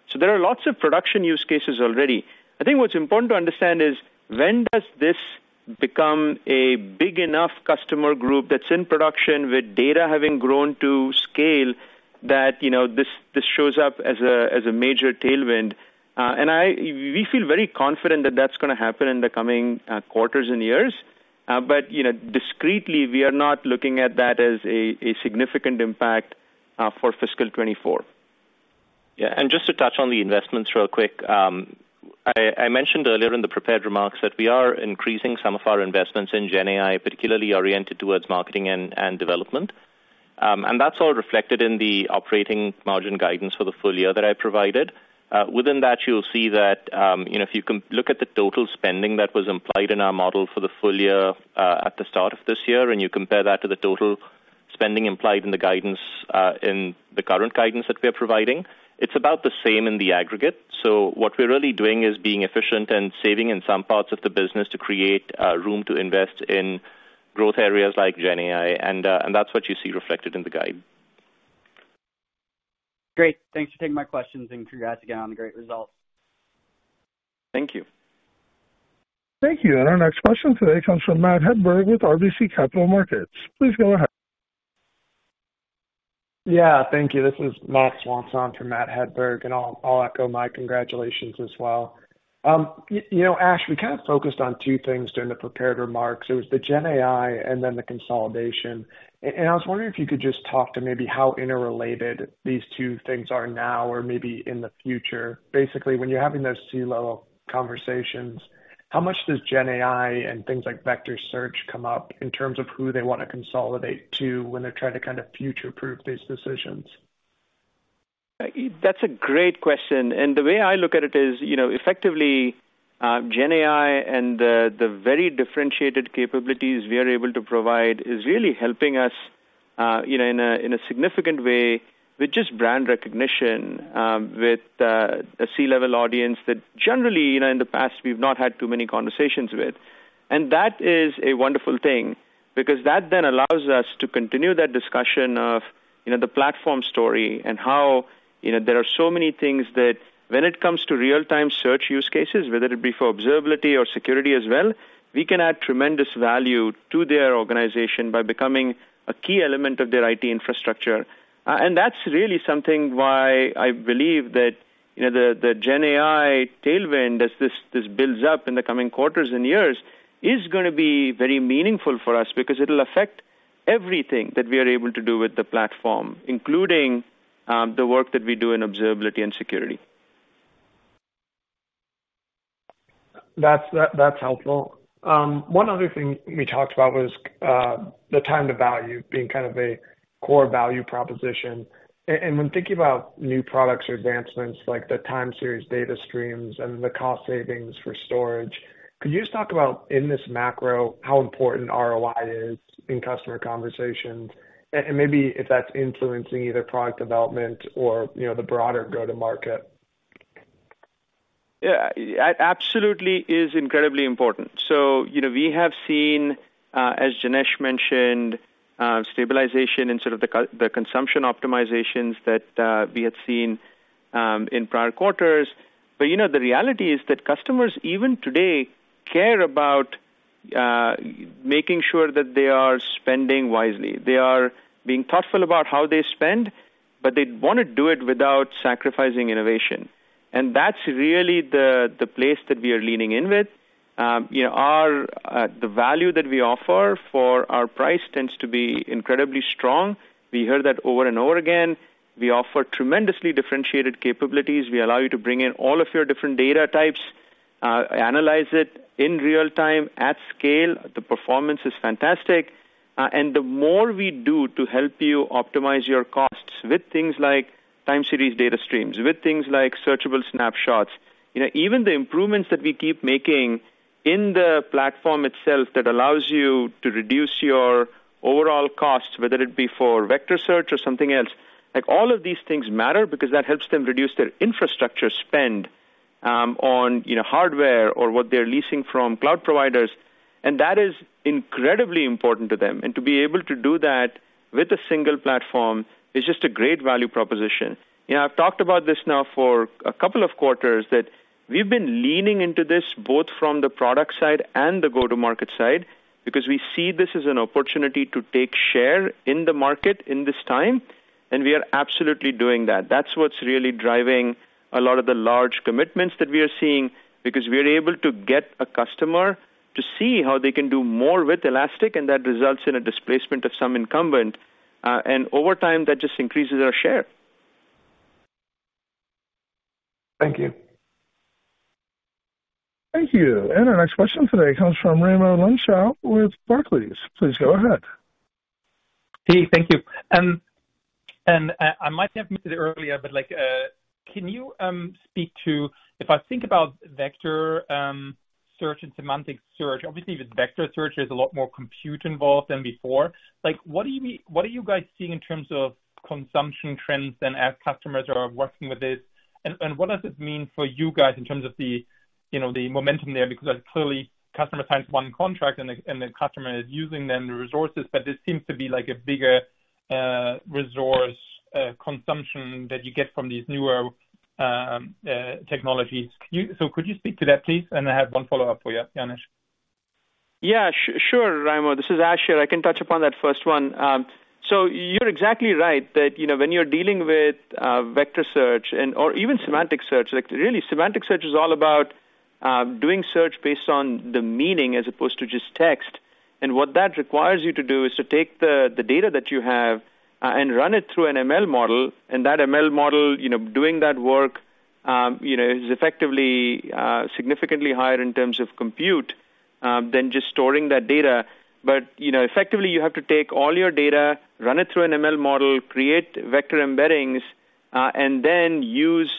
So there are lots of production use cases already. I think what's important to understand is when does this become a big enough customer group that's in production with data having grown to scale, that, you know, this shows up as a major tailwind? We feel very confident that that's gonna happen in the coming quarters and years. But, you know, discretely, we are not looking at that as a significant impact for Fiscal 2024. Yeah, and just to touch on the investments real quick. I mentioned earlier in the prepared remarks that we are increasing some of our investments in GenAI, particularly oriented towards marketing and development. That's all reflected in the operating margin guidance for the full year that I provided. Within that, you'll see that, you know, if you can look at the total spending that was implied in our model for the full year, at the start of this year, and you compare that to the total spending implied in the guidance, in the current guidance that we are providing, it's about the same in the aggregate. So what we're really doing is being efficient and saving in some parts of the business to create room to invest in growth areas like GenAI, and that's what you see reflected in the guide. Great. Thanks for taking my questions, and congrats again on the great results. Thank you. Thank you. Our next question today comes from Matt Hedberg with RBC Capital Markets. Please go ahead. Yeah, thank you. This is Matt Swanson for Matt Hedberg, and I'll echo my congratulations as well. You know, Ash, we kind of focused on two things during the prepared remarks. It was the GenAI and then the consolidation. And I was wondering if you could just talk to maybe how interrelated these two things are now or maybe in the future. Basically, when you're having those C-level conversations, how much does GenAI and things like vector search come up in terms of who they want to consolidate to when they're trying to kind of future-proof these decisions? That's a great question, and the way I look at it is, you know, effectively, GenAI and the, the very differentiated capabilities we are able to provide is really helping us, you know, in a, in a significant way with just brand recognition, with, a C-level audience that generally, you know, in the past we've not had too many conversations with. And that is a wonderful thing because that then allows us to continue that discussion of, you know, the platform story and how, you know, there are so many things that when it comes to real-time search use cases, whether it be for observability or security as well, we can add tremendous value to their organization by becoming a key element of their IT infrastructure. And that's really something why I believe that, you know, the GenAI tailwind, as this builds up in the coming quarters and years, is gonna be very meaningful for us because it'll affect everything that we are able to do with the platform, including the work that we do in observability and security. That's helpful. One other thing we talked about was the time to value being kind of a core value proposition. When thinking about new products or advancements like the Time Series Data Streams and the cost savings for storage, could you just talk about, in this macro, how important ROI is in customer conversations, and maybe if that's influencing either product development or, you know, the broader go-to-market? Yeah, it absolutely is incredibly important. So, you know, we have seen, as Janesh mentioned, stabilization in sort of the consumption optimizations that we had seen in prior quarters. But, you know, the reality is that customers, even today, care about making sure that they are spending wisely. They are being thoughtful about how they spend, but they want to do it without sacrificing innovation. And that's really the place that we are leaning in with. You know, our the value that we offer for our price tends to be incredibly strong. We heard that over and over again. We offer tremendously differentiated capabilities. We allow you to bring in all of your different data types, analyze it in real time, at scale. The performance is fantastic. And the more we do to help you optimize your costs with things like time series data streams, with things like searchable snapshots, you know, even the improvements that we keep making in the platform itself that allows you to reduce your overall costs, whether it be for vector search or something else. Like, all of these things matter because that helps them reduce their infrastructure spend, on, you know, hardware or what they're leasing from cloud providers, and that is incredibly important to them. And to be able to do that with a single platform is just a great value proposition. You know, I've talked about this now for a couple of quarters, that we've been leaning into this both from the product side and the go-to-market side because we see this as an opportunity to take share in the market in this time, and we are absolutely doing that. That's what's really driving a lot of the large commitments that we are seeing, because we are able to get a customer to see how they can do more with Elastic, and that results in a displacement of some incumbent. And over time, that just increases our share. Thank you. Thank you. Our next question today comes from Raimo Lenschow with Barclays. Please go ahead. Hey, thank you. I might have missed it earlier, but like, can you speak to... If I think about vector search and semantic search, obviously, with vector search, there's a lot more compute involved than before. Like, what are you guys seeing in terms of consumption trends then as customers are working with this? And what does this mean for you guys in terms of the, you know, the momentum there? Because clearly, customer signs one contract, and the customer is using then the resources, but this seems to be like a bigger resource consumption that you get from these newer technologies. So could you speak to that, please? And I have one follow-up for you, Janesh. Yeah, sure, Raimo. This is Ash. I can touch upon that first one. So you're exactly right that, you know, when you're dealing with vector search and or even semantic search, like, really, semantic search is all about doing search based on the meaning as opposed to just text. And what that requires you to do is to take the data that you have and run it through an ML model, and that ML model, you know, doing that work, you know, is effectively significantly higher in terms of compute than just storing that data. But, you know, effectively, you have to take all your data, run it through an ML model, create vector embeddings, and then use,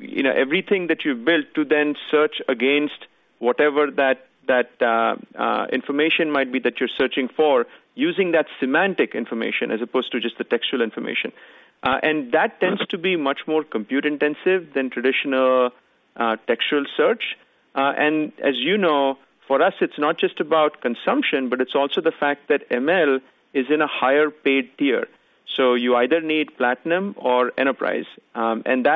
you know, everything that you've built to then search against whatever that information might be that you're searching for, using that semantic information as opposed to just the textual information. And that tends to be much more compute-intensive than traditional textual search. And as you know, for us, it's not just about consumption, but it's also the fact that ML is in a higher paid tier. So you either need Platinum or enterprise. And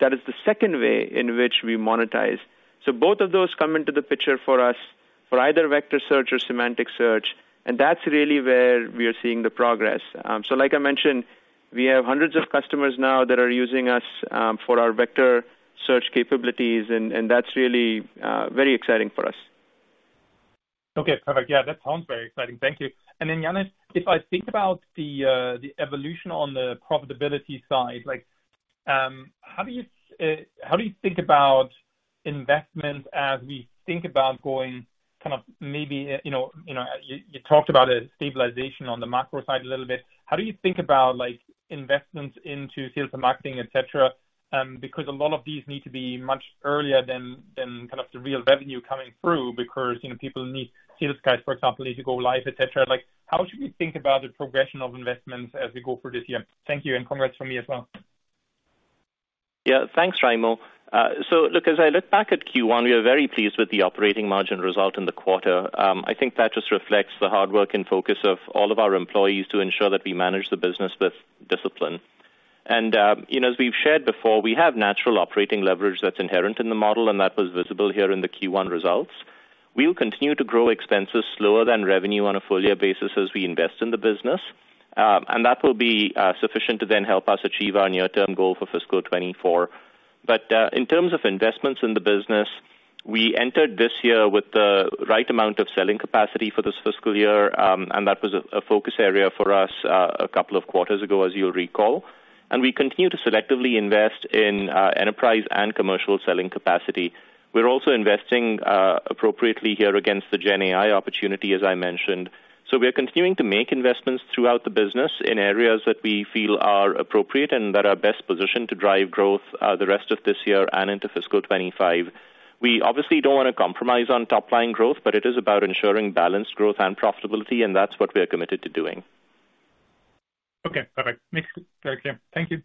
that is the second way in which we monetize. So both of those come into the picture for us for either vector search or semantic search, and that's really where we are seeing the progress. So like I mentioned, we have hundreds of customers now that are using us for our vector search capabilities, and that's really very exciting for us. Okay, perfect. Yeah, that sounds very exciting. Thank you. And then, Janesh, if I think about the evolution on the profitability side, like, how do you think about investment as we think about going kind of maybe, you know, you talked about a stabilization on the macro side a little bit. How do you think about, like, investments into sales and marketing, et cetera? Because a lot of these need to be much earlier than kind of the real revenue coming through, because, you know, people need sales guys, for example, to go live, et cetera. Like, how should we think about the progression of investments as we go through this year? Thank you, and congrats from me as well. Yeah. Thanks, Raimo. So look, as I look back at Q1, we are very pleased with the operating margin result in the quarter. I think that just reflects the hard work and focus of all of our employees to ensure that we manage the business with discipline. And, you know, as we've shared before, we have natural operating leverage that's inherent in the model, and that was visible here in the Q1 results. We'll continue to grow expenses slower than revenue on a full year basis as we invest in the business. And that will be sufficient to then help us achieve our near-term goal for Fiscal 2024. But in terms of investments in the business, we entered this year with the right amount of selling capacity for this fiscal year, and that was a focus area for us a couple of quarters ago, as you'll recall, and we continue to selectively invest in enterprise and commercial selling capacity. We're also investing appropriately here against the GenAI opportunity, as I mentioned. So we are continuing to make investments throughout the business in areas that we feel are appropriate and that are best positioned to drive growth the rest of this year and into Fiscal 2025. We obviously don't wanna compromise on top-line growth, but it is about ensuring balanced growth and profitability, and that's what we are committed to doing. Okay, perfect. Makes perfect sense. Thank you.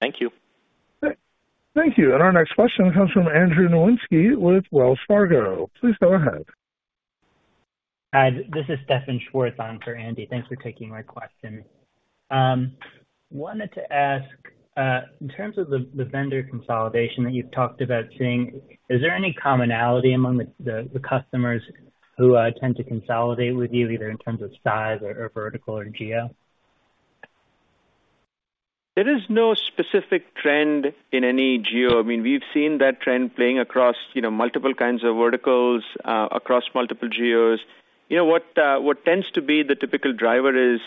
Thank you. Thank you. Our next question comes from Andrew Nowinski with Wells Fargo. Please go ahead. Hi, this is Stefan Schwarz on for Andy. Thanks for taking my question. Wanted to ask, in terms of the vendor consolidation that you've talked about seeing, is there any commonality among the customers who tend to consolidate with you, either in terms of size or vertical or geo? There is no specific trend in any geo. I mean, we've seen that trend playing across, you know, multiple kinds of verticals, across multiple geos. You know what, what tends to be the typical driver is,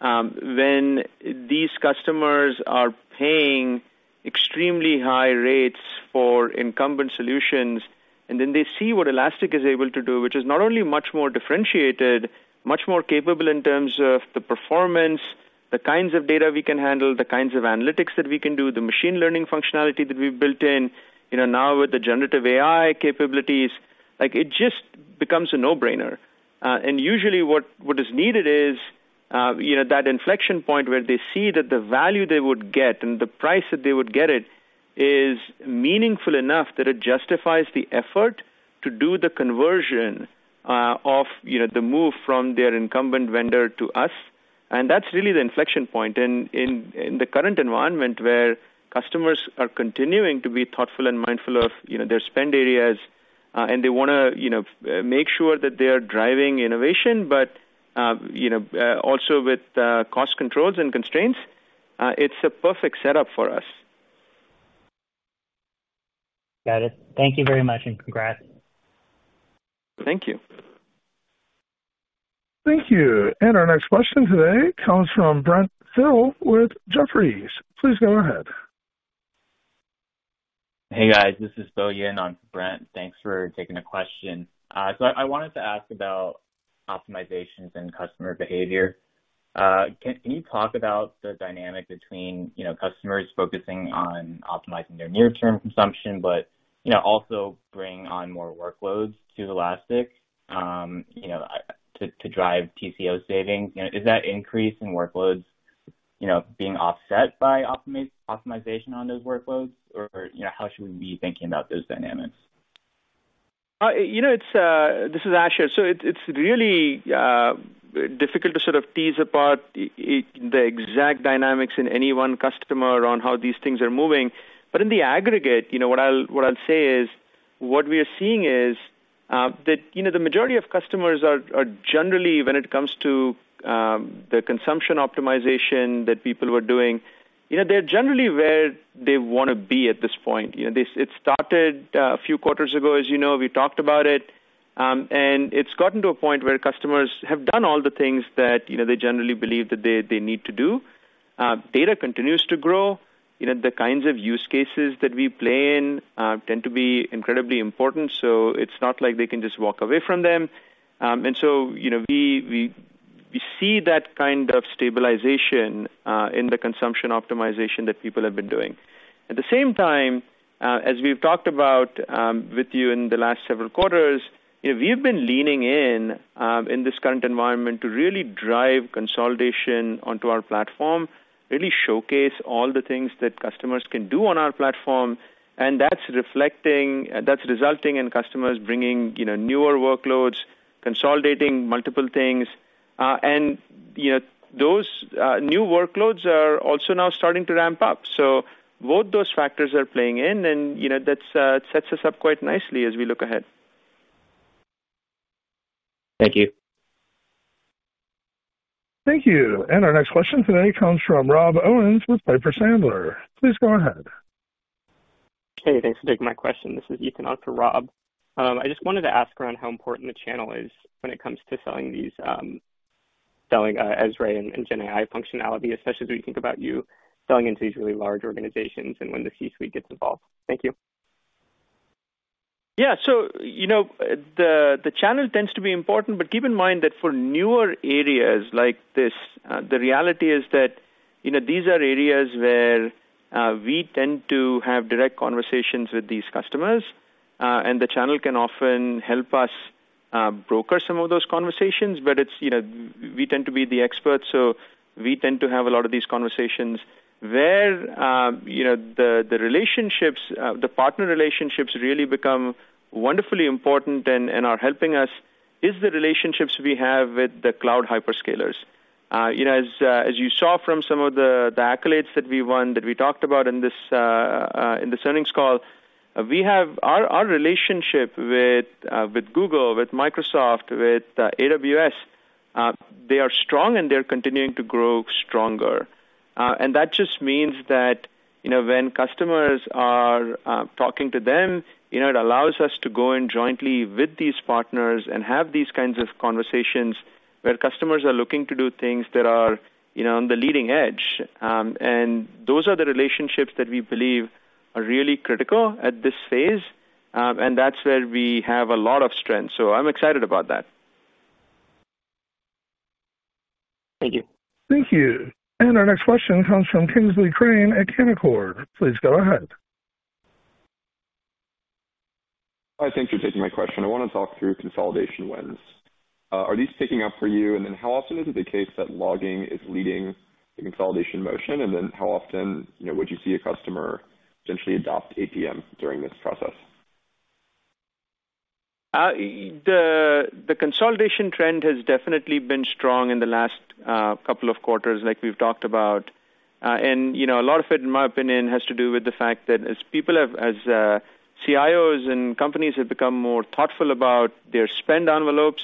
when these customers are paying extremely high rates for incumbent solutions, and then they see what Elastic is able to do, which is not only much more differentiated, much more capable in terms of the performance, the kinds of data we can handle, the kinds of analytics that we can do, the machine learning functionality that we've built in, you know, now with the generative AI capabilities, like, it just becomes a no-brainer. And usually what is needed is, you know, that inflection point where they see that the value they would get and the price that they would get it is meaningful enough that it justifies the effort to do the conversion, you know, the move from their incumbent vendor to us. And that's really the inflection point in the current environment, where customers are continuing to be thoughtful and mindful of, you know, their spend areas, and they wanna, you know, make sure that they are driving innovation, but, you know, also with cost controls and constraints, it's a perfect setup for us. Got it. Thank you very much, and congrats. Thank you. Thank you. Our next question today comes from Brent Thill with Jefferies. Please go ahead. Hey, guys, this is Bo Yin on for Brent. Thanks for taking the question. So I wanted to ask about optimizations and customer behavior. Can you talk about the dynamic between, you know, customers focusing on optimizing their near-term consumption, but, you know, also bring on more workloads to Elastic, to drive TCO savings? You know, is that increase in workloads, you know, being offset by optimization on those workloads? Or, you know, how should we be thinking about those dynamics?... you know, it's this is Ash here. So it, it's really difficult to sort of tease apart the exact dynamics in any one customer on how these things are moving. But in the aggregate, you know, what I'll say is, what we are seeing is that, you know, the majority of customers are generally, when it comes to the consumption optimization that people were doing, you know, they're generally where they want to be at this point. You know, this -- it started a few quarters ago, as you know, we talked about it, and it's gotten to a point where customers have done all the things that, you know, they generally believe that they need to do. Data continues to grow. You know, the kinds of use cases that we play in tend to be incredibly important, so it's not like they can just walk away from them. And so, you know, we see that kind of stabilization in the consumption optimization that people have been doing. At the same time, as we've talked about with you in the last several quarters, you know, we've been leaning in in this current environment to really drive consolidation onto our platform, really showcase all the things that customers can do on our platform, and that's reflecting, that's resulting in customers bringing, you know, newer workloads, consolidating multiple things, and, you know, those new workloads are also now starting to ramp up. So both those factors are playing in, and, you know, that's it sets us up quite nicely as we look ahead. Thank you. Thank you. Our next question today comes from Rob Owens with Piper Sandler. Please go ahead. Hey, thanks for taking my question. This is Ethan, not Rob. I just wanted to ask around how important the channel is when it comes to selling these ESRE and GenAI functionality, especially as we think about you selling into these really large organizations and when the C-suite gets involved. Thank you. Yeah, so, you know, the channel tends to be important, but keep in mind that for newer areas like this, the reality is that, you know, these are areas where we tend to have direct conversations with these customers, and the channel can often help us broker some of those conversations, but it's, you know, we tend to be the experts, so we tend to have a lot of these conversations. Where, you know, the relationships, the partner relationships really become wonderfully important and are helping us, is the relationships we have with the cloud hyperscalers. You know, as you saw from some of the accolades that we won, that we talked about in this earnings call, we have... Our relationship with Google, with Microsoft, with AWS, they are strong, and they're continuing to grow stronger. And that just means that, you know, when customers are talking to them, you know, it allows us to go in jointly with these partners and have these kinds of conversations where customers are looking to do things that are, you know, on the leading edge. And those are the relationships that we believe are really critical at this phase, and that's where we have a lot of strength, so I'm excited about that. Thank you. Thank you. And our next question comes from Kingsley Crane at Canaccord. Please go ahead. Hi, thanks for taking my question. I want to talk through consolidation wins. Are these picking up for you? And then how often is it the case that logging is leading the consolidation motion, and then how often, you know, would you see a customer essentially adopt APM during this process? The consolidation trend has definitely been strong in the last couple of quarters, like we've talked about. And, you know, a lot of it, in my opinion, has to do with the fact that as CIOs and companies have become more thoughtful about their spend envelopes,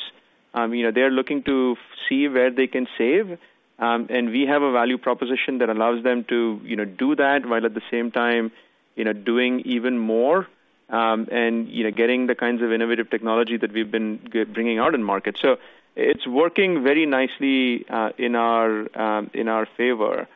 you know, they're looking to see where they can save, and we have a value proposition that allows them to, you know, do that, while at the same time, you know, doing even more, and, you know, getting the kinds of innovative technology that we've been bringing out in market. So it's working very nicely in our favor.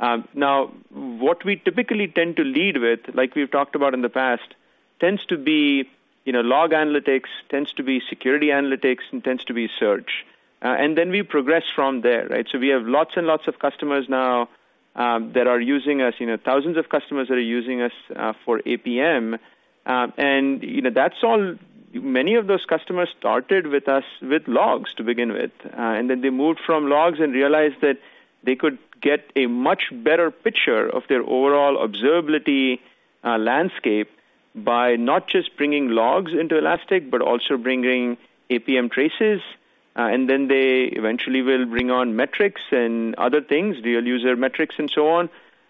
Now, what we typically tend to lead with, like we've talked about in the past, tends to be, you know, log analytics, tends to be security analytics, and tends to be search. And then we progress from there, right? So we have lots and lots of customers now, that are using us, you know, thousands of customers that are using us, for APM, and, you know, that's all, many of those customers started with us with logs to begin with, and then they moved from logs and realized that they could get a much better picture of their overall observability, landscape by not just bringing logs into Elastic, but also bringing APM traces, and then they eventually will bring on metrics and other things, real user metrics and so on.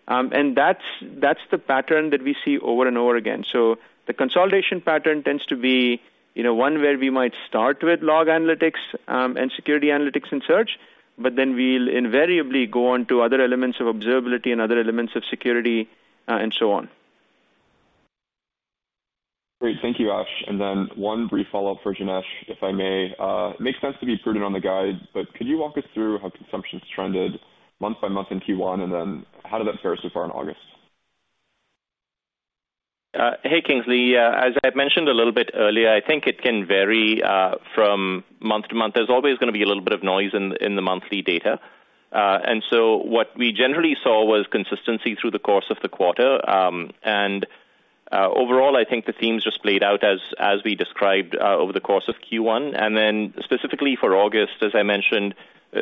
And that's, that's the pattern that we see over and over again. So the consolidation pattern tends to be, you know, one where we might start with log analytics, and security analytics and search, but then we'll invariably go on to other elements of observability and other elements of security, and so on. Great. Thank you, Ash. And then one brief follow-up for Janesh, if I may. It makes sense to be prudent on the guide, but could you walk us through how consumption's trended month by month in Q1, and then how did that fare so far in August? Hey, Kingsley. As I had mentioned a little bit earlier, I think it can vary from month to month. There's always going to be a little bit of noise in the monthly data. And so what we generally saw was consistency through the course of the quarter. And overall, I think the themes just played out as we described over the course of Q1. And then specifically for August, as I mentioned,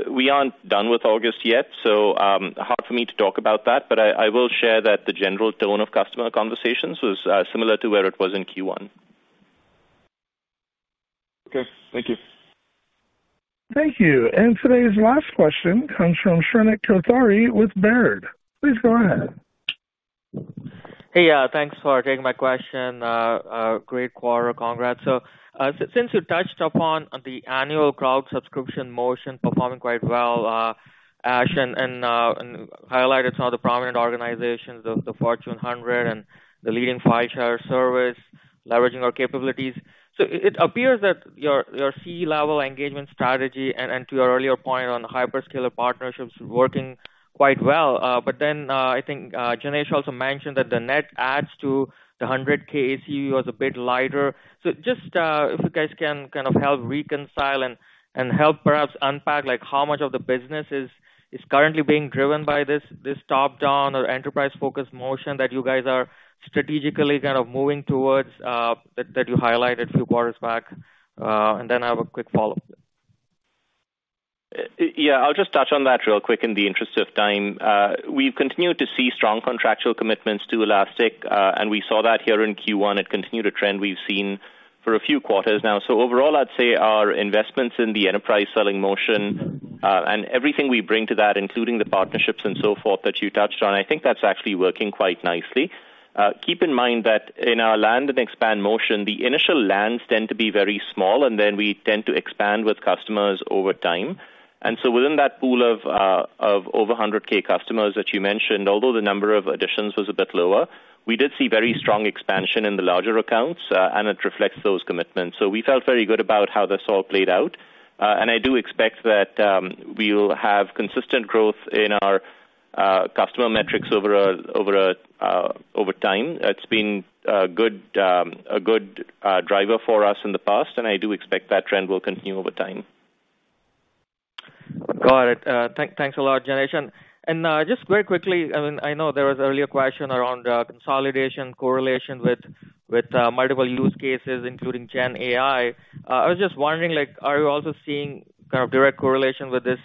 we aren't done with August yet, so hard for me to talk about that, but I will share that the general tone of customer conversations was similar to where it was in Q1.... Okay, thank you. Thank you. Today's last question comes from Shrenik Kothari with Baird. Please go ahead. Hey, thanks for taking my question. Great quarter. Congrats. So, since you touched upon the annual cloud subscription motion performing quite well, Ash, and highlighted some of the prominent organizations, the Fortune 100 and the leading file-sharing service leveraging our capabilities. So it appears that your C-level engagement strategy, and to your earlier point on hyperscaler partnerships, working quite well. But then, I think Janesh also mentioned that the net adds to the 100K ACV was a bit lighter. So just, if you guys can kind of help reconcile and help perhaps unpack, like how much of the business is currently being driven by this top-down or enterprise-focused motion that you guys are strategically kind of moving towards, that you highlighted a few quarters back. And then I have a quick follow-up. Yeah, I'll just touch on that real quick in the interest of time. We've continued to see strong contractual commitments to Elastic, and we saw that here in Q1. It continued a trend we've seen for a few quarters now. So overall, I'd say our investments in the enterprise selling motion, and everything we bring to that, including the partnerships and so forth, that you touched on, I think that's actually working quite nicely. Keep in mind that in our land and expand motion, the initial lands tend to be very small, and then we tend to expand with customers over time. And so within that pool of over 100K customers that you mentioned, although the number of additions was a bit lower, we did see very strong expansion in the larger accounts, and it reflects those commitments. So we felt very good about how this all played out. And I do expect that we will have consistent growth in our customer metrics over time. It's been a good driver for us in the past, and I do expect that trend will continue over time. Got it. Thanks a lot, Janesh. And just very quickly, I mean, I know there was earlier question around consolidation correlation with multiple use cases, including Gen AI. I was just wondering, like, are you also seeing kind of direct correlation with this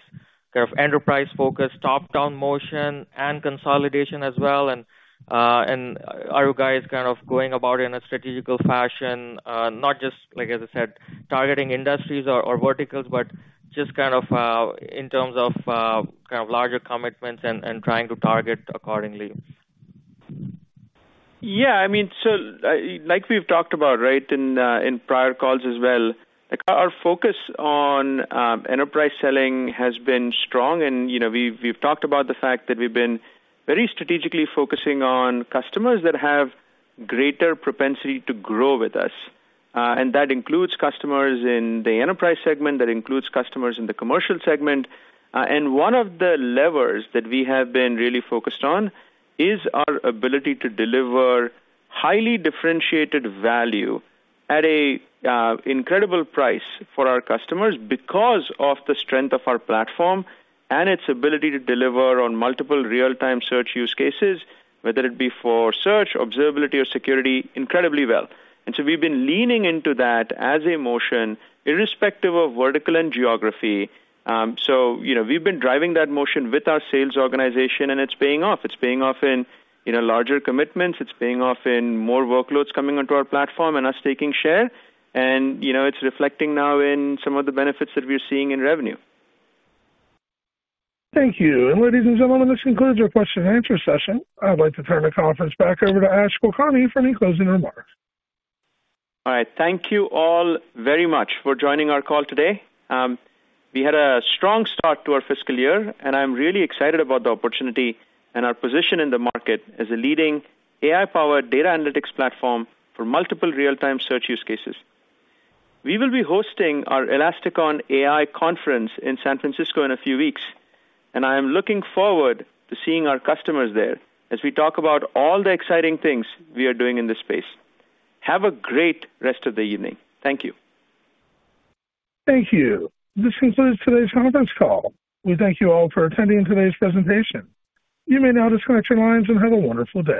kind of enterprise focus, top-down motion and consolidation as well? And are you guys kind of going about it in a strategical fashion, not just like, as I said, targeting industries or verticals, but just kind of in terms of kind of larger commitments and trying to target accordingly? Yeah, I mean, so, like we've talked about, right, in prior calls as well, like our focus on enterprise selling has been strong. You know, we've talked about the fact that we've been very strategically focusing on customers that have greater propensity to grow with us. And that includes customers in the enterprise segment, that includes customers in the commercial segment. And one of the levers that we have been really focused on is our ability to deliver highly differentiated value at an incredible price for our customers because of the strength of our platform and its ability to deliver on multiple real-time search use cases, whether it be for search, observability, or security, incredibly well. So we've been leaning into that as a motion, irrespective of vertical and geography. So, you know, we've been driving that motion with our sales organization, and it's paying off. It's paying off in, you know, larger commitments. It's paying off in more workloads coming onto our platform and us taking share. And, you know, it's reflecting now in some of the benefits that we're seeing in revenue. Thank you. Ladies and gentlemen, this concludes our question and answer session. I'd like to turn the conference back over to Ash Kulkarni for any closing remarks. All right. Thank you all very much for joining our call today. We had a strong start to our fiscal year, and I'm really excited about the opportunity and our position in the market as a leading AI-powered data analytics platform for multiple real-time search use cases. We will be hosting our ElasticON AI conference in San Francisco in a few weeks, and I am looking forward to seeing our customers there as we talk about all the exciting things we are doing in this space. Have a great rest of the evening. Thank you. Thank you. This concludes today's conference call. We thank you all for attending today's presentation. You may now disconnect your lines and have a wonderful day.